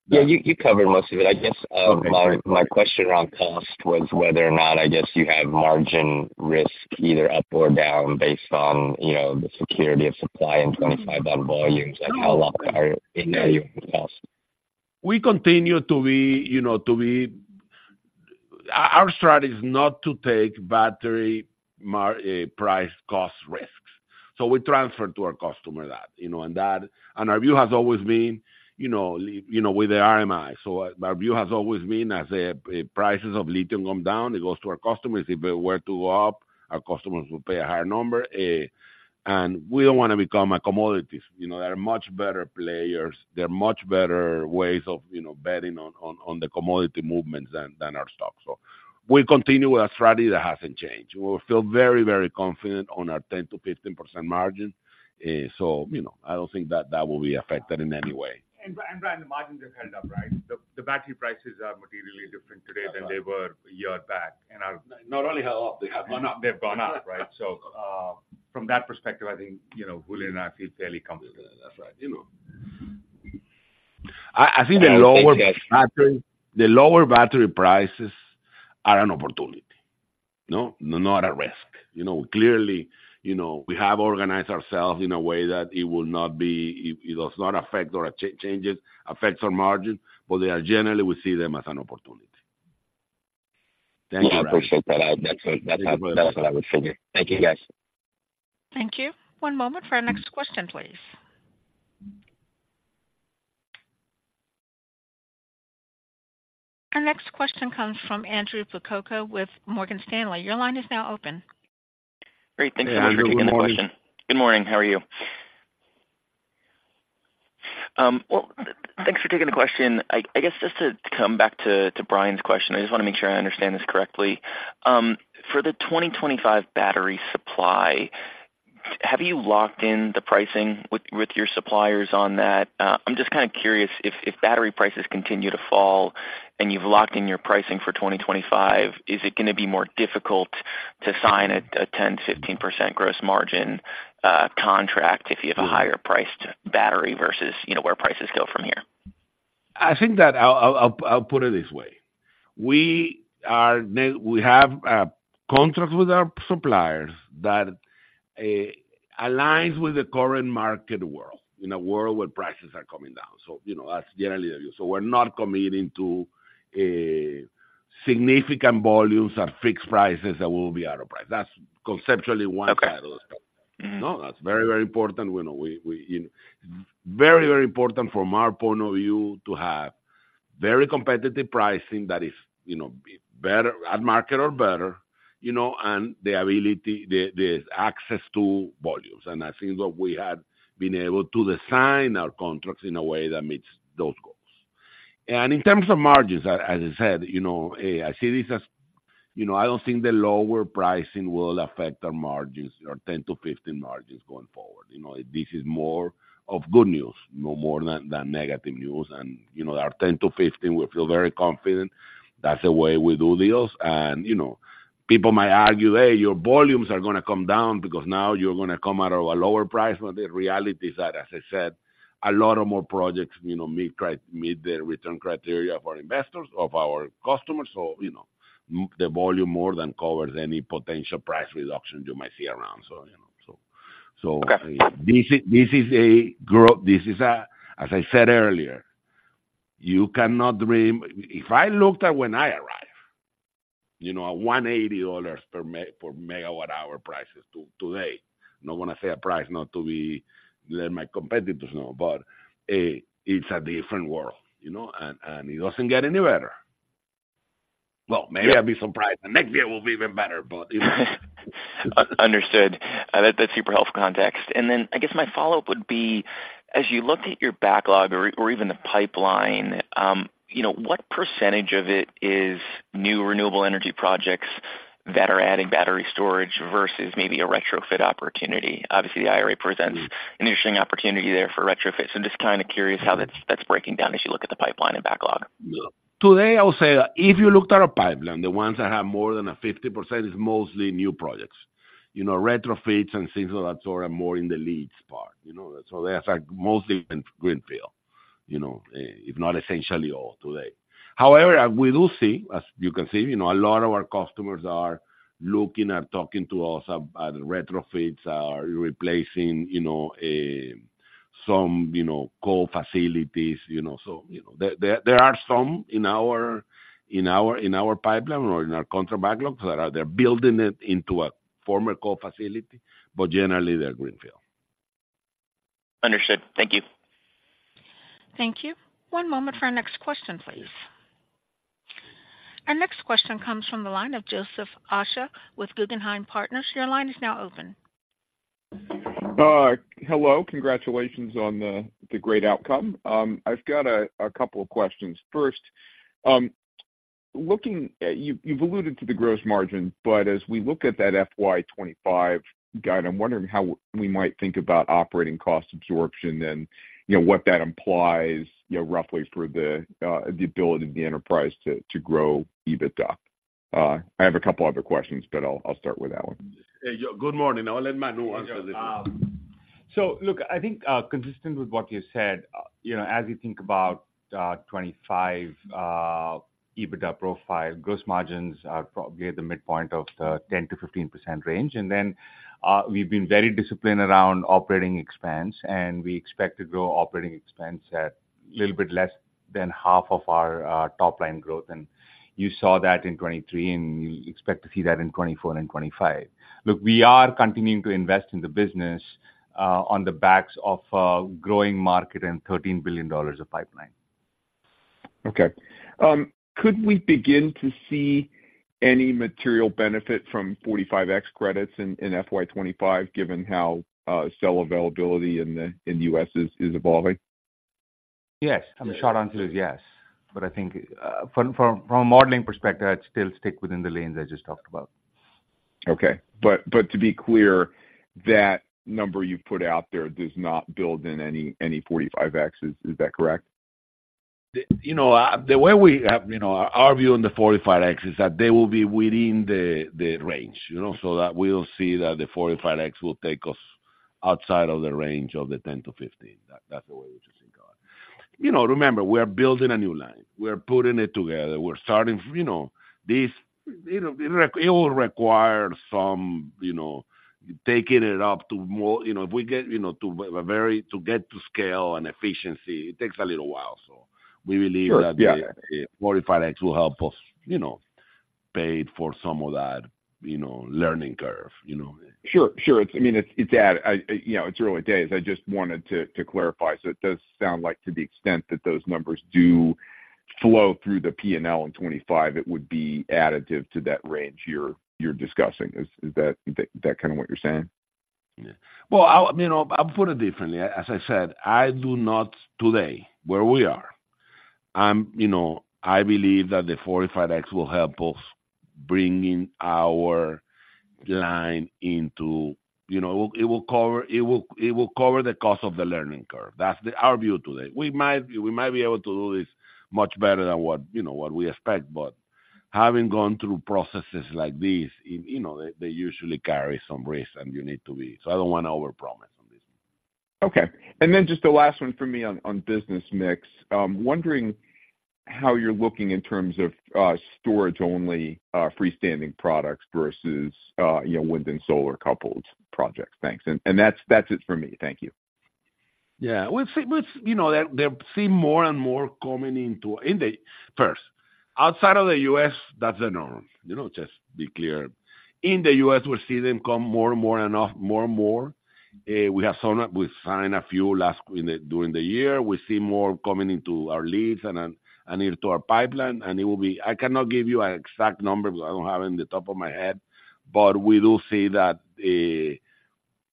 Yeah, you covered most of it. I guess, Okay. My question around cost was whether or not, I guess, you have margin risk either up or down based on, you know, the security of supply in 25 on volumes, and how locked are in your cost? We continue to be, you know. Our strategy is not to take battery price cost risks. So we transfer to our customer that, you know, and our view has always been, you know, with the RMI. So our view has always been as the prices of lithium come down, it goes to our customers. If they were to go up, our customers will pay a higher number, and we don't want to become a commodity. You know, there are much better players. There are much better ways of, you know, betting on the commodity movements than our stock. So we continue with a strategy that hasn't changed. We feel very, very confident on our 10%-15% margin, so, you know, I don't think that will be affected in any way. Brian, the margins have held up, right? The battery prices are materially different today than they were a year back, and are- Not only how up, they have gone up. They've gone up, right. So, from that perspective, I think, you know, Julian and I feel fairly confident. That's right, you know. I think the lower battery prices are an opportunity, no, not a risk. You know, clearly, you know, we have organized ourselves in a way that it will not be. It does not affect or change, affects our margin, but they are generally, we see them as an opportunity. Yeah, I appreciate that. That's what, that's what, that's what I was thinking. Thank you, guys. Thank you. One moment for our next question, please. Our next question comes from Andrew Percoco with Morgan Stanley. Your line is now open. Great, thank you for taking the question. Good morning. Good morning. How are you? Well, thanks for taking the question. I guess just to come back to Brian's question, I just want to make sure I understand this correctly. For the 2025 battery supply, have you locked in the pricing with your suppliers on that? I'm just kind of curious if battery prices continue to fall and you've locked in your pricing for 2025, is it going to be more difficult to sign a 10%-15% gross margin contract if you have a higher priced battery versus, you know, where prices go from here? I think that I'll put it this way: We have contracts with our suppliers that aligns with the current market world, in a world where prices are coming down. So, you know, that's generally the view. So we're not committing to significant volumes or fixed prices that will be out of price. That's conceptually one side of the spectrum. Mm-hmm. No, that's very, very important. We know, you know... Very, very important from our point of view, to have very competitive pricing that is, you know, better, at market or better, you know, and the ability, the access to volumes. And I think that we have been able to design our contracts in a way that meets those goals. And in terms of margins, as I said, you know, I see this as, you know, I don't think the lower pricing will affect our margins, our 10%-15% margins going forward. You know, this is more of good news, you know, more than negative news. And, you know, our 10%-15%, we feel very confident. That's the way we do deals, and, you know, people might argue, "Hey, your volumes are gonna come down because now you're gonna come out of a lower price." But the reality is that, as I said, a lot of more projects, you know, meet the return criteria for investors, of our customers, so, you know, the volume more than covers any potential price reduction you might see around, so, you know, so- Okay. So this is a growth, as I said earlier, you cannot dream... If I looked at when I arrived, you know, at $180 per MWh prices to today, I don't want to say a price, not to let my competitors know, but it's a different world, you know, and it doesn't get any better.... Well, maybe I'll be surprised, and next year will be even better, but. Understood. That, that's super helpful context. Then I guess my follow-up would be, as you look at your backlog or, or even the pipeline, you know, what percentage of it is new renewable energy projects that are adding battery storage versus maybe a retrofit opportunity? Obviously, the IRA presents an interesting opportunity there for retrofits. So I'm just kind of curious how that's, that's breaking down as you look at the pipeline and backlog. Yeah. Today, I would say if you looked at our pipeline, the ones that have more than 50% is mostly new projects. You know, retrofits and things of that sort are more in the leads part, you know? So that's, like, mostly in greenfield, you know, if not essentially all today. However, we do see, as you can see, you know, a lot of our customers are looking at talking to us about retrofits or replacing, you know, some, you know, coal facilities, you know. So, you know, there are some in our pipeline or in our contract backlog that are—they're building it into a former coal facility, but generally, they're greenfield. Understood. Thank you. Thank you. One moment for our next question, please. Our next question comes from the line of Joseph Osha with Guggenheim Partners. Your line is now open. Hello. Congratulations on the great outcome. I've got a couple of questions. First, you've alluded to the gross margin, but as we look at that FY 25 guide, I'm wondering how we might think about operating cost absorption and, you know, what that implies, you know, roughly for the ability of the enterprise to grow EBITDA. I have a couple other questions, but I'll start with that one. Hey, Joe. Good morning. I'll let Manu answer this. So look, I think, consistent with what you said, you know, as you think about, 2025, EBITDA profile, gross margins are probably at the midpoint of the 10%-15% range. And then, we've been very disciplined around operating expense, and we expect to grow operating expense at a little bit less than half of our, top line growth. And you saw that in 2023, and you expect to see that in 2024 and 2025. Look, we are continuing to invest in the business, on the backs of a growing market and $13 billion of pipeline. Okay. Could we begin to see any material benefit from 45X credits in FY 2025, given how cell availability in the U.S. is evolving? Yes. In short, answer is yes. But I think, from a modeling perspective, I'd still stick within the lanes I just talked about. Okay. But to be clear, that number you've put out there does not build in any 45X. Is that correct? You know, the way we have, you know, our view on the 45X is that they will be within the range, you know? So that we'll see that the 45X will take us outside of the 10-15 range. That's the way we just think about it. You know, remember, we are building a new line. We're putting it together. We're starting, you know, this... You know, it will require some, you know, taking it up to more, you know, if we get, you know, to a very- to get to scale and efficiency, it takes a little while. So we believe- Sure. Yeah... that the 45X will help us, you know, pay for some of that, you know, learning curve, you know? Sure, sure. It's, I mean, it's, it's at, you know, it's early days. I just wanted to, to clarify. So it does sound like to the extent that those numbers do flow through the P&L in 25, it would be additive to that range you're, you're discussing. Is, is that, that kind of what you're saying? Yeah. Well, I, you know, I'll put it differently. As I said, I do not today, where we are, you know, I believe that the 45X will help us bringing our line into, you know, it will cover, it will, it will cover the cost of the learning curve. That's our view today. We might, we might be able to do this much better than what, you know, what we expect, but having gone through processes like this, it, you know, they, they usually carry some risk, and you need to be... So I don't want to over-promise on this one. Okay. And then just the last one for me on business mix. Wondering how you're looking in terms of storage-only freestanding products versus, you know, wind and solar coupled projects. Thanks. And that's it for me. Thank you. Yeah, we've seen, you know, they seem more and more coming into the first, outside of the US, that's the norm. You know, just to be clear, in the US, we're seeing them come more and more and off more and more. We have signed, we've signed a few last year, during the year. We see more coming into our leads and then into our pipeline, and it will be. I cannot give you an exact number because I don't have it in the top of my head, but we do see that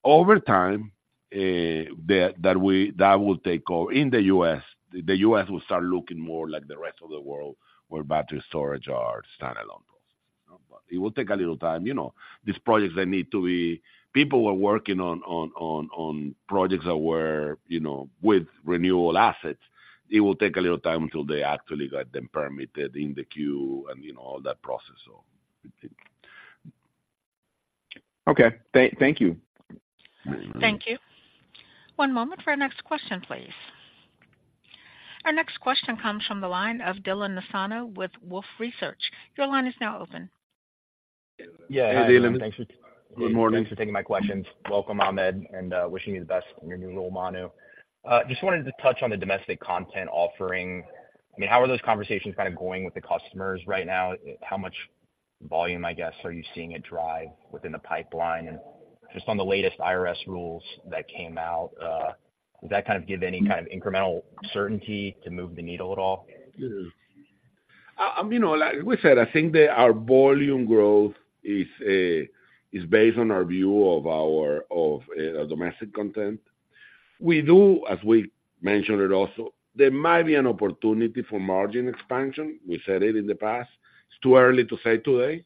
over time that we that will take off in the U.S. The U.S. will start looking more like the rest of the world, where battery storage are standalone processes. But it will take a little time. You know, these projects, they need to be. People were working on projects that were, you know, with renewable assets. It will take a little time until they actually get them permitted in the queue and, you know, all that process, so. Okay. Thank you. Thank you. One moment for our next question, please. Our next question comes from the line of Dylan Nassano with Wolfe Research. Your line is now open. Yeah. Hey, Dylan. Good morning. Thanks for taking my questions. Welcome, Ahmed, and wishing you the best on your new role, Manu. Just wanted to touch on the domestic content offering. I mean, how are those conversations kind of going with the customers right now? How much-... volume, I guess, are you seeing it drive within the pipeline? And just on the latest IRS rules that came out, does that kind of give any kind of incremental certainty to move the needle at all? You know, like we said, I think that our volume growth is based on our view of our domestic content. We do, as we mentioned it also, there might be an opportunity for margin expansion. We said it in the past. It's too early to say today,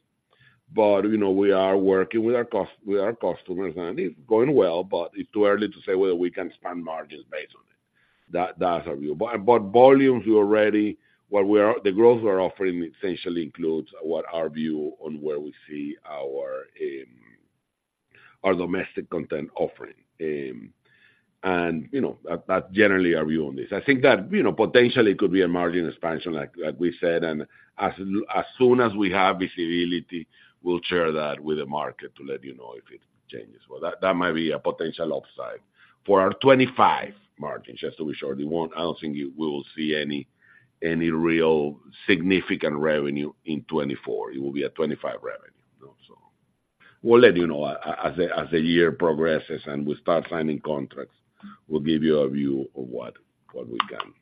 but, you know, we are working with our customers, and it's going well, but it's too early to say whether we can expand margins based on it. That's our view. But volumes, the growth we're offering essentially includes what our view on where we see our domestic content offering. And, you know, that generally our view on this. I think that, you know, potentially it could be a margin expansion like, like we said, and as soon as we have visibility, we'll share that with the market to let you know if it changes. Well, that, that might be a potential upside for our 25 margins, just to be sure. I don't think we will see any, any real significant revenue in 2024. It will be a 2025 revenue, you know, so we'll let you know as the, as the year progresses and we start signing contracts, we'll give you a view of what, what we can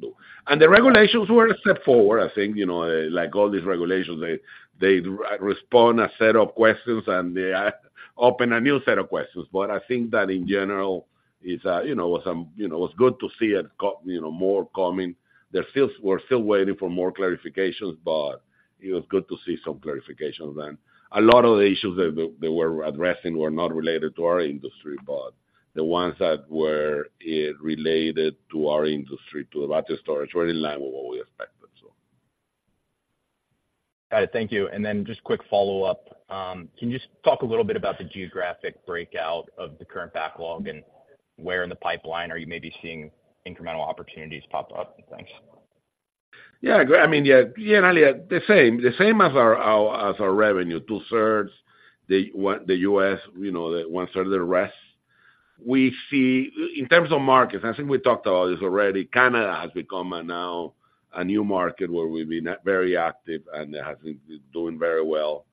do. The regulations were a step forward. I think, you know, like all these regulations, they, they respond a set of questions, and they open a new set of questions. But I think that in general, it's you know, it's good to see it you know, more coming. We're still waiting for more clarifications, but it was good to see some clarifications then. A lot of the issues that were addressing were not related to our industry, but the ones that were related to our industry, to the battery storage, were in line with what we expected, so. Got it. Thank you. And then just quick follow-up. Can you just talk a little bit about the geographic breakout of the current backlog and where in the pipeline you may be seeing incremental opportunities pop up? Thanks. Yeah, I mean, yeah, generally, the same, the same as our, our, as our revenue, two-thirds, the U.S., you know, the one third, the rest. We see, in terms of markets, I think we talked about this already, Canada has become now a new market where we've been very active and it has been doing very well.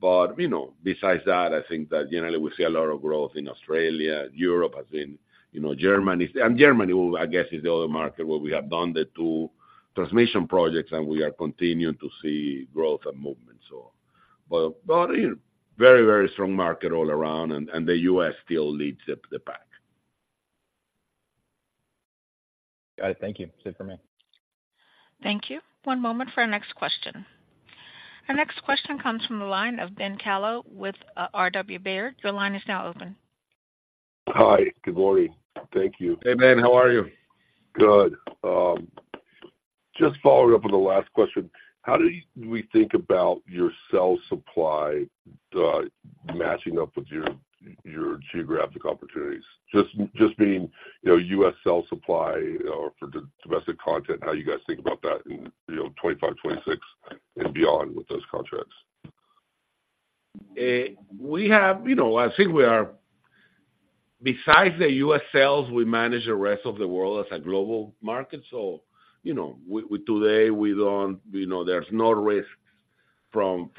But, you know, besides that, I think that generally we see a lot of growth in Australia. Europe, as in, you know, Germany and Germany, who I guess, is the other market where we have done the two transmission projects, and we are continuing to see growth and movement, so. But, but, you know, very, very strong market all around, and, and the U.S. still leads the, the pack. Got it. Thank you. That's it for me. Thank you. One moment for our next question. Our next question comes from the line of Ben Kallo with RW Baird. Your line is now open. Hi, good morning. Thank you. Hey, Ben, how are you? Good. Just following up on the last question, how do we think about your cell supply matching up with your geographic opportunities? Just meaning, you know, U.S. cell supply or for domestic content, how you guys think about that in, you know, 2025, 2026 and beyond with those contracts? We have, you know, I think we are, besides the U.S. sales, we manage the rest of the world as a global market. So, you know, we today, we don't, you know, there's no risks from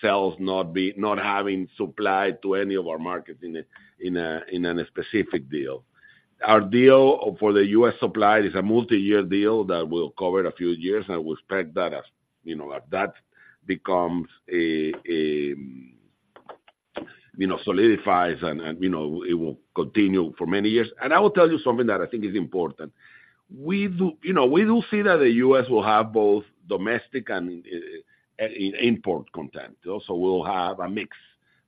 sales, not having supply to any of our markets in a specific deal. Our deal for the U.S. supply is a multi-year deal that will cover a few years, and we expect that as, you know, as that becomes a, you know, solidifies and, you know, it will continue for many years. I will tell you something that I think is important. We do, you know, we do see that the U.S. will have both domestic and import content. So we'll have a mix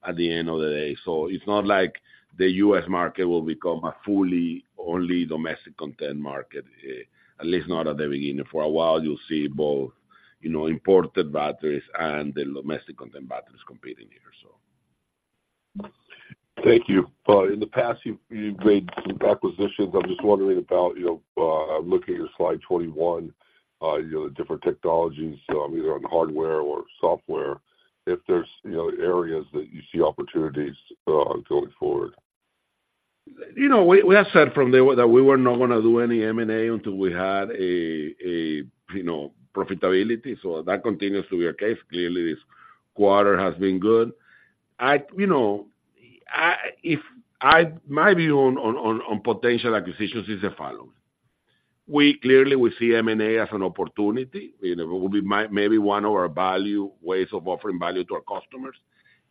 at the end of the day. So it's not like the U.S. market will become a fully, only domestic content market, at least not at the beginning. For a while, you'll see both, you know, imported batteries and the domestic content batteries competing here, so. Thank you. In the past, you've, you've made some acquisitions. I'm just wondering about, you know, looking at your slide 21, you know, the different technologies, either on hardware or software, if there's, you know, areas that you see opportunities, going forward. You know, we have said from the word that we were not gonna do any M&A until we had a you know, profitability, so that continues to be our case. Clearly, this quarter has been good. You know, my view on potential acquisitions is the following: We clearly see M&A as an opportunity. You know, it will be maybe one of our ways of offering value to our customers.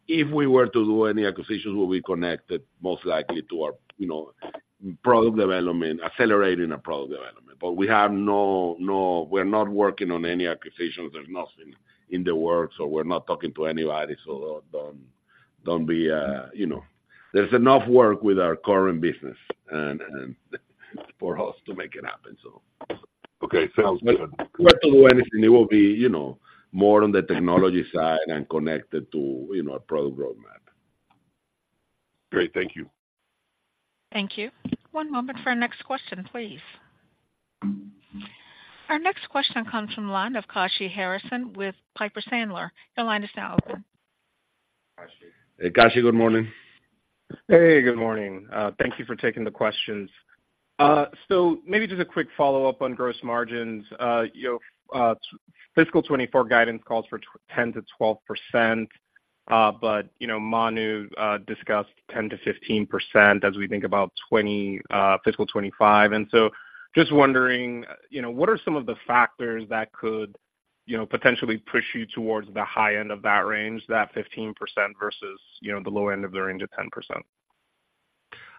If we were to do any acquisitions, we'll be connected, most likely to our you know, product development, accelerating our product development. But we have no... We're not working on any acquisitions. There's nothing in the works, or we're not talking to anybody, so don't be you know-- There's enough work with our current business and for us to make it happen, so. Okay, sounds good. If we're to do anything, it will be, you know, more on the technology side and connected to, you know, a product roadmap. Great. Thank you. Thank you. One moment for our next question, please. Our next question comes from the line of Kashy Harrison with Piper Sandler. Your line is now open. Hey, Kashy, good morning. Hey, good morning. Thank you for taking the questions. So maybe just a quick follow-up on gross margins. You know, fiscal 2024 guidance calls for 10%-12%, but, you know, Manu discussed 10%-15% as we think about 2025, fiscal 2025. And so just wondering, you know, what are some of the factors that could, you know, potentially push you towards the high end of that range, that 15% versus, you know, the low end of the range of 10%?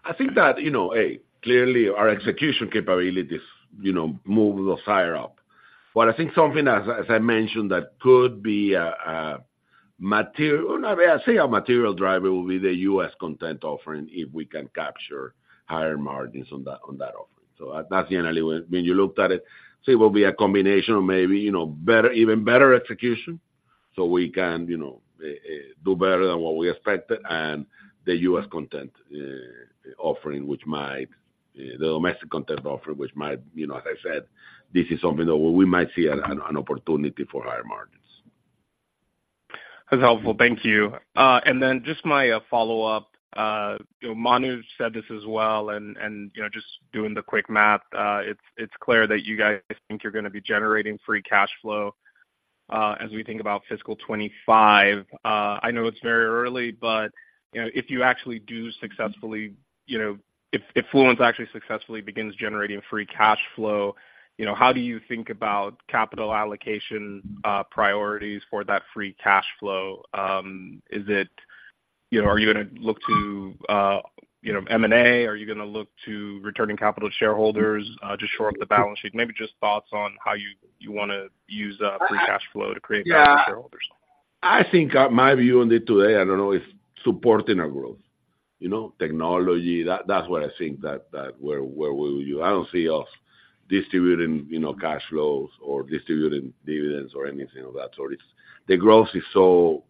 I think that, you know, A, clearly our execution capabilities, you know, move a little higher up. But I think something as, as I mentioned, that could be a material driver will be the U.S. content offering, if we can capture higher margins on that, on that offering. So that's generally when you looked at it, so it will be a combination of maybe, you know, better, even better execution, so we can, you know, do better than what we expected, and the U.S. content offering, which might, the domestic content offering, which might, you know, as I said, this is something that we might see an opportunity for higher margins. That's helpful. Thank you. And then just my follow-up. You know, Manu said this as well, and you know, just doing the quick math, it's clear that you guys think you're gonna be generating free cash flow as we think about fiscal 25. I know it's very early, but you know, if you actually do successfully, you know, if Fluence actually successfully begins generating free cash flow, you know, how do you think about capital allocation priorities for that free cash flow? Is it, you know, are you gonna look to M&A? Are you gonna look to returning capital to shareholders to shore up the balance sheet? Maybe just thoughts on how you wanna use free cash flow to create value for shareholders. I think my view on it today, I don't know, is supporting our growth. You know, technology, that's what I think that, where we will. I don't see us distributing, you know, cash flows or distributing dividends or anything of that sort. It's the growth is so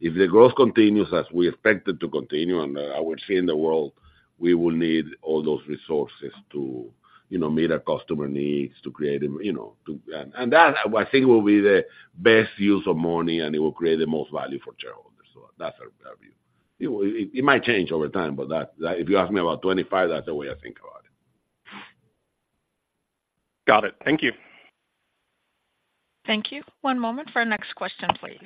if the growth continues, as we expect it to continue, and I would say in the world, we will need all those resources to, you know, meet our customer needs, to create, you know, to. And that, I think, will be the best use of money, and it will create the most value for shareholders. So that's our view. It might change over time, but that, if you ask me about 2025, that's the way I think about it. Got it. Thank you. Thank you. One moment for our next question, please.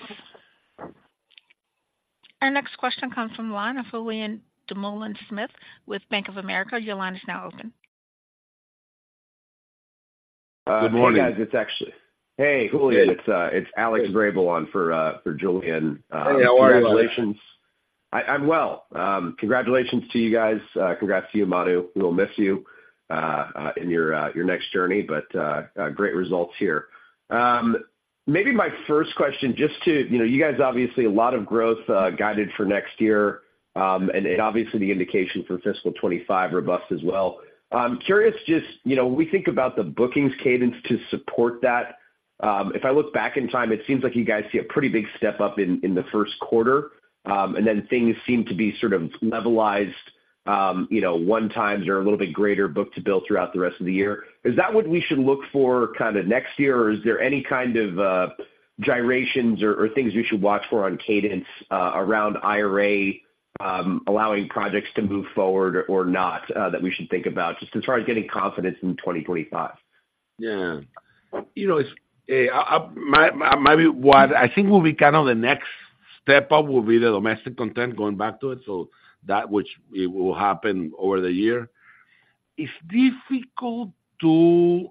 Our next question comes from the line of Julien Dumoulin-Smith with Bank of America. Your line is now open. Good morning. Hey, guys. It's actually—hey, Julian, it's Alex Gyurkovits on for Julien. Hey, how are you, Alex? Congratulations. I'm well. Congratulations to you guys. Congrats to you, Manu. We'll miss you in your next journey, but great results here. Maybe my first question, just to, you know, you guys, obviously, a lot of growth, guided for next year, and obviously the indication for fiscal 2025, robust as well. I'm curious, just, you know, when we think about the bookings cadence to support that, if I look back in time, it seems like you guys see a pretty big step up in the Q1, and then things seem to be sort of levelized, you know, 1x or a little bit greater book-to-bill throughout the rest of the year. Is that what we should look for kinda next year, or is there any kind of gyrations or things we should watch for on cadence around IRA allowing projects to move forward or not that we should think about, just as far as getting confidence in 2025? Yeah. You know, it's maybe what I think will be kind of the next step up will be the domestic content, going back to it, so that which it will happen over the year. It's difficult to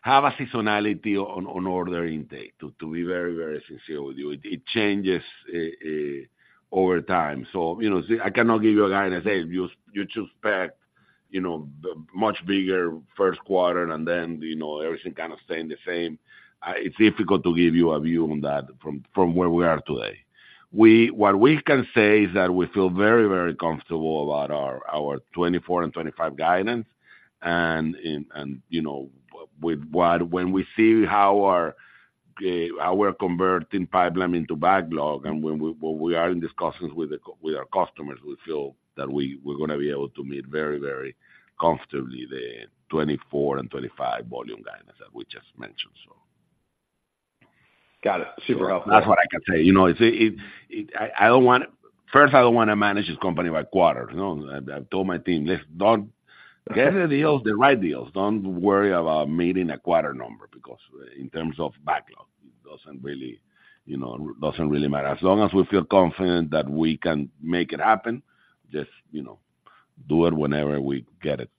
have a seasonality on ordering date, to be very sincere with you. It changes over time. So, you know, see, I cannot give you a guidance and say, if you should expect, you know, the much bigger Q1 and then, you know, everything kind of staying the same. It's difficult to give you a view on that from where we are today. What we can say is that we feel very, very comfortable about our 2024 and 2025 guidance, and, you know, with what, when we see how we're converting pipeline into backlog, and when what we are in discussions with our customers, we feel that we're gonna be able to meet very, very comfortably the 2024 and 2025 volume guidance that we just mentioned, so. Got it. Super helpful. That's what I can say. You know, First, I don't want to manage this company by quarters, you know? I told my team, "Let's don't... Get the deals, the right deals. Don't worry about meeting a quarter number, because in terms of backlog, it doesn't really, you know, it doesn't really matter." As long as we feel confident that we can make it happen, just, you know, do it whenever we get it.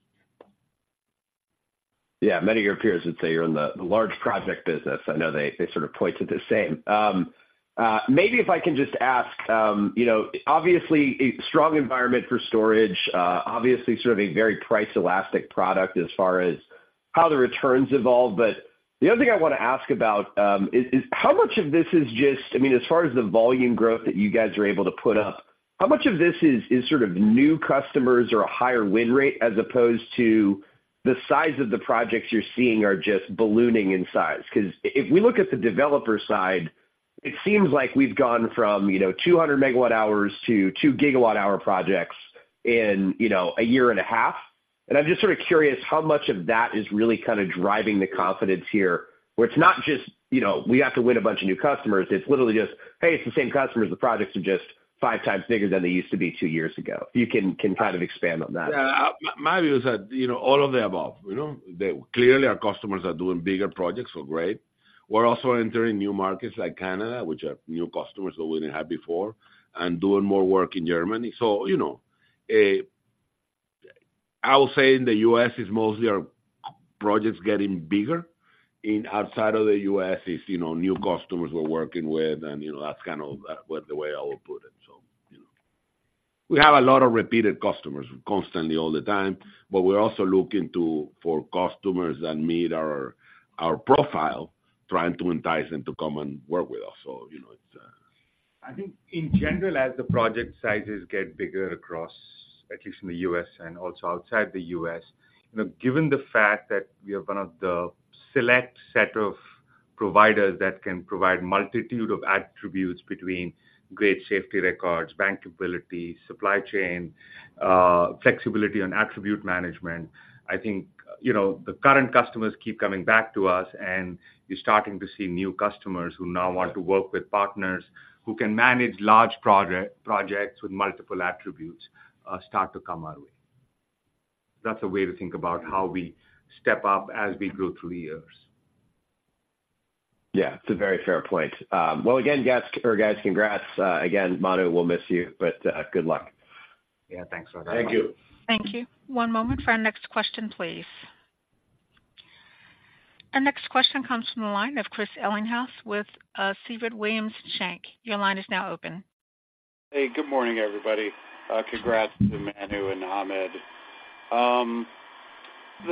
Yeah, many of your peers would say you're in the large project business. I know they sort of point to the same. Maybe if I can just ask, you know, obviously a strong environment for storage, obviously sort of a very price-elastic product as far as how the returns evolve. But the other thing I want to ask about is how much of this is just, I mean, as far as the volume growth that you guys are able to put up, how much of this is sort of new customers or a higher win rate, as opposed to the size of the projects you're seeing are just ballooning in size? Because if we look at the developer side, it seems like we've gone from, you know, 200 MWh to 2 GWh projects in, you know, a year and a half. I'm just sort of curious how much of that is really kind of driving the confidence here, where it's not just, you know, we have to win a bunch of new customers. It's literally just: Hey, it's the same customers, the projects are just five times bigger than they used to be two years ago. You can kind of expand on that? Yeah, my, my view is that, you know, all of the above, you know. That clearly our customers are doing bigger projects, so great. We're also entering new markets like Canada, which are new customers that we didn't have before, and doing more work in Germany. So, you know, I will say in the U.S., it's mostly our projects getting bigger. In outside of the U.S., it's, you know, new customers we're working with, and, you know, that's kind of the way I will put it, so, you know. We have a lot of repeated customers, constantly, all the time, but we're also looking to for customers that meet our, our profile, trying to entice them to come and work with us. So, you know, it's, I think in general, as the project sizes get bigger across, at least in the U.S. and also outside the US, you know, given the fact that we are one of the select set of providers that can provide multitude of attributes between great safety records, bankability, supply chain, flexibility on attribute management, I think, you know, the current customers keep coming back to us, and we're starting to see new customers who now want to work with partners, who can manage large projects with multiple attributes, start to come our way. That's a way to think about how we step up as we grow through the years. Yeah, it's a very fair point. Well, again, guys, or guys, congrats. Again, Manu, we'll miss you, but good luck. Yeah. Thanks so very much. Thank you. Thank you. One moment for our next question, please. Our next question comes from the line of Chris Ellinghaus with Siebert Williams Shank. Your line is now open. Hey, good morning, everybody. Congrats to Manu and Ahmed.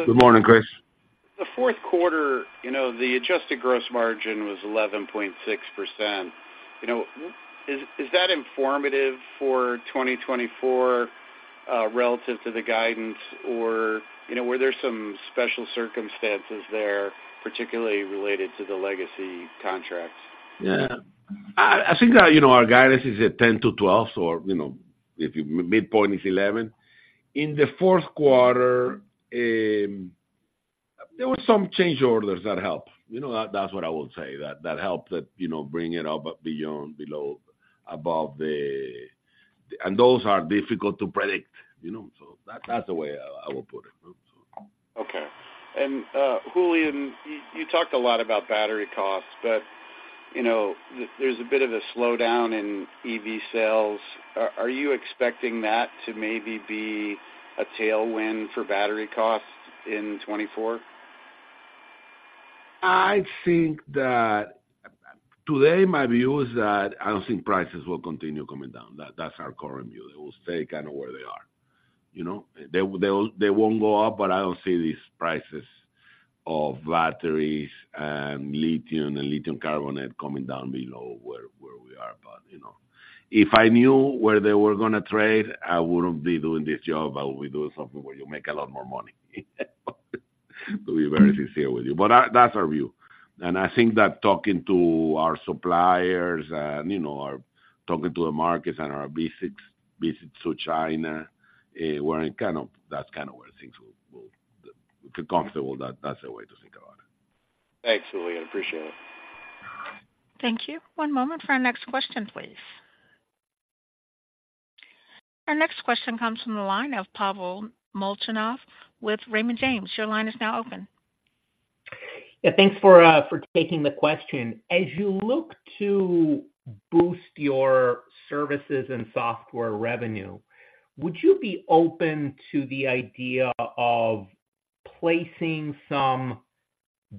Good morning, Chris. The Q4, you know, the Adjusted Gross Margin was 11.6%. You know, is, is that informative for 2024, relative to the guidance? Or, you know, were there some special circumstances there, particularly related to the legacy contracts? Yeah. I think, you know, our guidance is at 10-12, so, you know, if you, midpoint is 11. In the Q4, there were some change orders that helped. You know, that's what I would say, that helped, you know, bring it up beyond, below, above the... And those are difficult to predict, you know? So that's the way I would put it, so. Okay. And, Julian, you talked a lot about battery costs, but, you know, there's a bit of a slowdown in EV sales. Are you expecting that to maybe be a tailwind for battery costs in 2024? I think that today, my view is that I don't think prices will continue coming down. That's our current view. They will stay kind of where they are, you know? They won't go up, but I don't see these prices of batteries and lithium and lithium carbonate coming down below where we are. But, you know, if I knew where they were gonna trade, I wouldn't be doing this job. I would be doing something where you make a lot more money. To be very sincere with you. But that's our view. And I think that talking to our suppliers and, you know, our talking to the markets and our visits to China, we're in kind of that's kind of where things will... feel comfortable that that's the way to think about it. Thanks, Julian. Appreciate it. Thank you. One moment for our next question, please. Our next question comes from the line of Pavel Molchanov with Raymond James. Your line is now open. Yeah. Thanks for taking the question. As you look to boost your services and software revenue, would you be open to the idea of placing some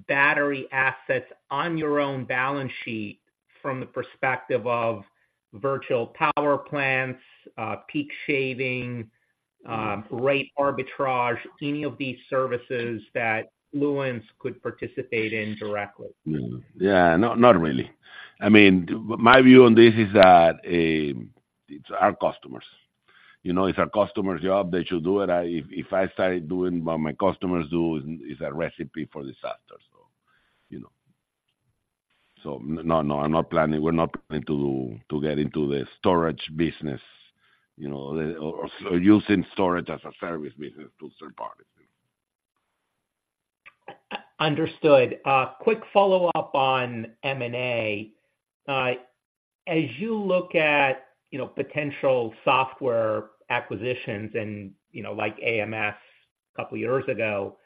battery assets on your own balance sheet from the perspective of virtual power plants, peak shaving, rate arbitrage, any of these services that Fluence could participate in directly? Yeah, not, not really. I mean, my view on this is that it's our customers. You know, it's our customer's job, they should do it. If I start doing what my customers do, it's a recipe for disaster, so, you know. So no, no, I'm not planning, we're not planning to get into the storage business, you know, or using storage as a service business to third parties. Understood. Quick follow-up on M&A. As you look at, you know, potential software acquisitions and, you know, like AMS a couple of years ago,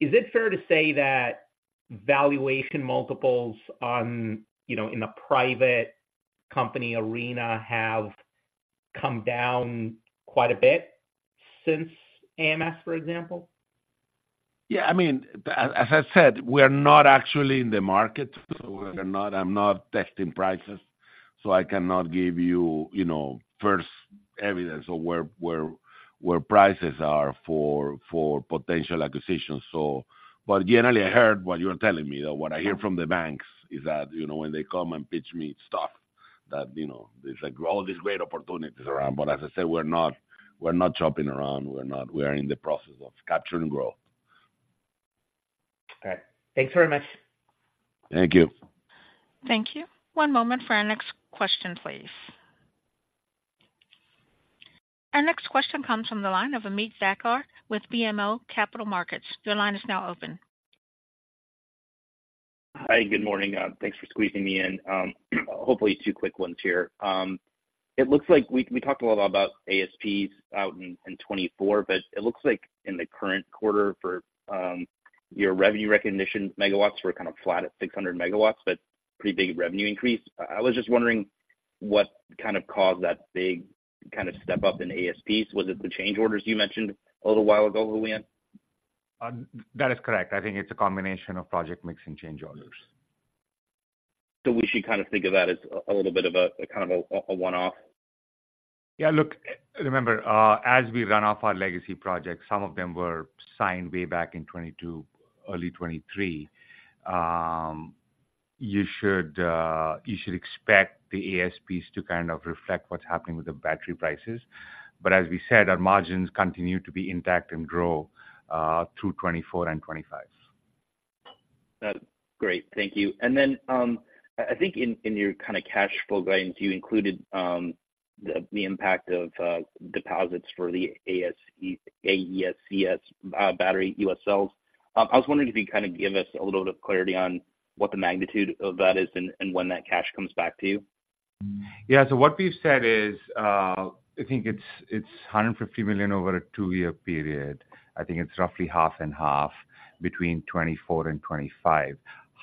is it fair to say that valuation multiples on, you know, in a private company arena have come down quite a bit since AMS, for example? Yeah, I mean, as I said, we are not actually in the market, so we're not, I'm not testing prices, so I cannot give you, you know, first evidence of where prices are for potential acquisitions, so. But generally, I heard what you're telling me, that what I hear from the banks is that, you know, when they come and pitch me, it's tough. That, you know, there's, like, all these great opportunities around, but as I said, we're not shopping around, we're not. We are in the process of capture and grow. All right. Thanks very much. Thank you. Thank you. One moment for our next question, please. Our next question comes from the line of Ameet Thakkar with BMO Capital Markets. Your line is now open. Hi, good morning. Thanks for squeezing me in. Hopefully two quick ones here. It looks like we talked a little about ASPs out in 2024, but it looks like in the current quarter for your revenue recognition, megawatts were kind of flat at 600 MW, but pretty big revenue increase. I was just wondering what kind of caused that big kind of step up in ASPs. Was it the change orders you mentioned a little while ago, Julian? That is correct. I think it's a combination of project mix and change orders. So we should kind of think of that as a little bit of a kind of a one-off? Yeah, look, remember, as we run off our legacy projects, some of them were signed way back in 2022, early 2023. You should, you should expect the ASPs to kind of reflect what's happening with the battery prices. But as we said, our margins continue to be intact and grow, through 2024 and 2025. Great. Thank you. And then, I think in your kind of cash flow guidance, you included the impact of deposits for the AESC battery U.S. cells. I was wondering if you kind of give us a little bit of clarity on what the magnitude of that is and when that cash comes back to you. Yeah. So what we've said is, I think it's 150 million over a two years period. I think it's roughly half and half between 2024 and 2025.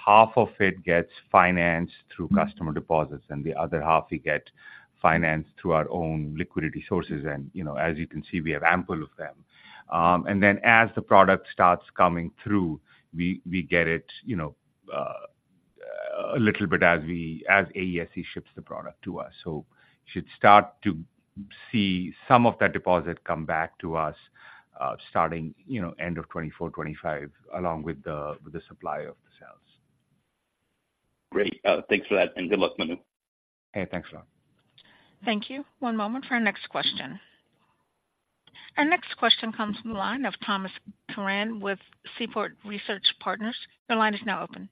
Half of it gets financed through customer deposits, and the other half we get financed through our own liquidity sources. And, you know, as you can see, we have ample of them. And then as the product starts coming through, we get it, you know, a little bit as AESC ships the product to us. So should start to see some of that deposit come back to us, starting, you know, end of 2024, 2025, along with the supply of the cells. Great. Thanks for that, and good luck, Manu. Hey, thanks a lot. Thank you. One moment for our next question. Our next question comes from the line of Thomas Curran with Seaport Research Partners. Your line is now open.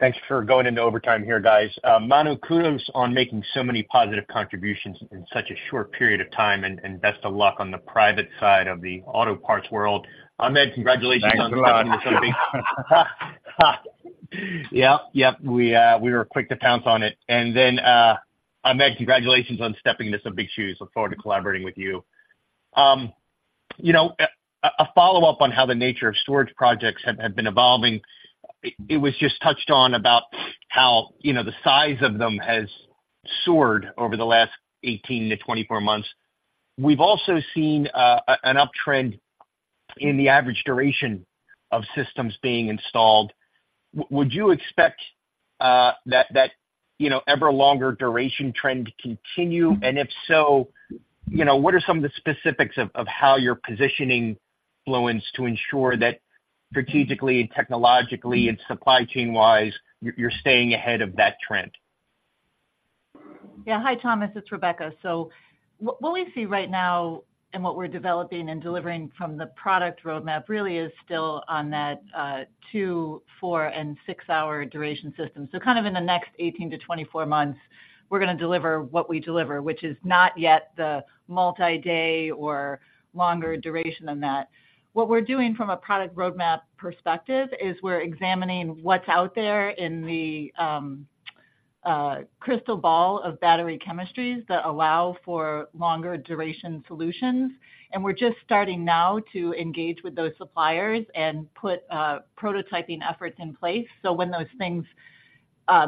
Thanks for going into overtime here, guys. Manu, kudos on making so many positive contributions in such a short period of time, and best of luck on the private side of the auto parts world. Ahmed, congratulations on- Thanks a lot. Yeah. Yep, we were quick to pounce on it. And then, Ahmed, congratulations on stepping into some big shoes. Look forward to collaborating with you. You know, a follow-up on how the nature of storage projects have been evolving. It was just touched on about how, you know, the size of them has soared over the last 18-24 months. We've also seen an uptrend in the average duration of systems being installed. Would you expect that, you know, ever longer duration trend to continue? And if so, you know, what are some of the specifics of how you're positioning Fluence to ensure that strategically and technologically and supply chain-wise, you're staying ahead of that trend? Yeah. Hi, Thomas, it's Rebecca. So what we see right now and what we're developing and delivering from the product roadmap really is still on that two, four, and six-hour duration system. So kind of in the next 18-24 months, we're gonna deliver what we deliver, which is not yet the multi-day or longer duration than that. What we're doing from a product roadmap perspective is we're examining what's out there in the crystal ball of battery chemistries that allow for longer duration solutions, and we're just starting now to engage with those suppliers and put prototyping efforts in place. So when those things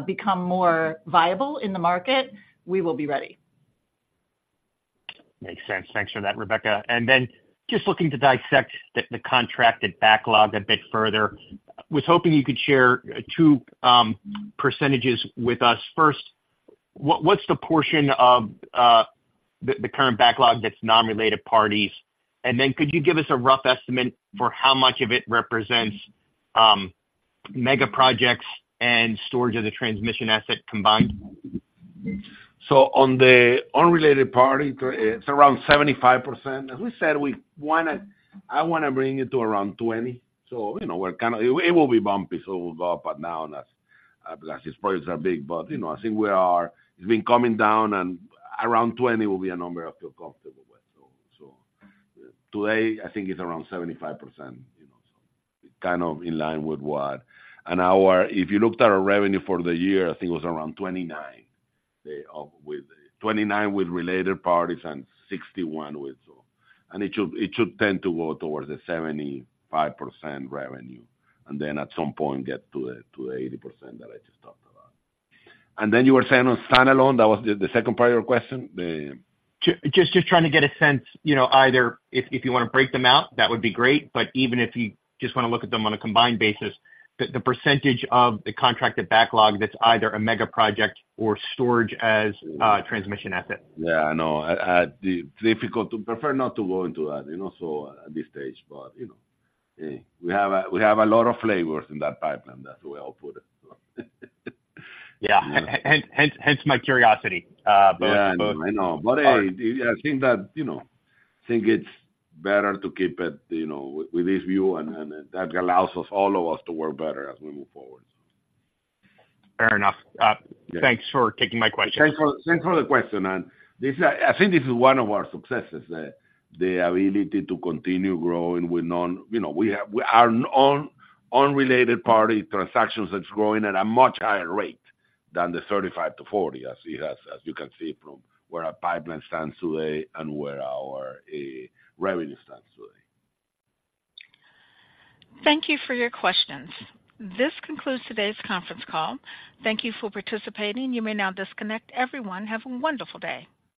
become more viable in the market, we will be ready. Makes sense. Thanks for that, Rebecca. And then just looking to dissect the contracted backlog a bit further, was hoping you could share two percentages with us. First, what's the portion of the current backlog that's non-related parties? And then could you give us a rough estimate for how much of it represents mega projects and storage of the transmission asset combined? So on the unrelated party, it's around 75%. As we said, we wanna, I wanna bring it to around 20%. So you know, we're kinda... It, it will be bumpy, so we'll go up and down as, these projects are big. But, you know, I think we are, it's been coming down, and around 20 will be a number I feel comfortable with. So, so today, I think it's around 75%, you know, so kind of in line with what. And our, if you looked at our revenue for the year, I think it was around 29, with, 29 with related parties and 61 with so. And it should, it should tend to go towards the 75% revenue, and then at some point get to the, to the 80% that I just talked about. Then you were saying on standalone, that was the second part of your question? The- Just, just trying to get a sense, you know, either if, if you want to break them out, that would be great, but even if you just want to look at them on a combined basis, the percentage of the contracted backlog that's either a mega project or storage as transmission asset. Yeah, I know. Prefer not to go into that, you know, so at this stage, but, you know, we have a, we have a lot of flavors in that pipeline. That's the way I'll put it, so. Yeah. Hence my curiosity, but- Yeah, I know. But I think that, you know, it's better to keep it, you know, with this view, and that allows us, all of us, to work better as we move forward. Fair enough. Thanks for taking my questions. Thanks for the question. This, I think this is one of our successes, the ability to continue growing with non... You know, we have our own unrelated party transactions is growing at a much higher rate than the 35-40, as you can see from where our pipeline stands today and where our revenue stands today. Thank you for your questions. This concludes today's conference call. Thank you for participating. You may now disconnect. Everyone, have a wonderful day.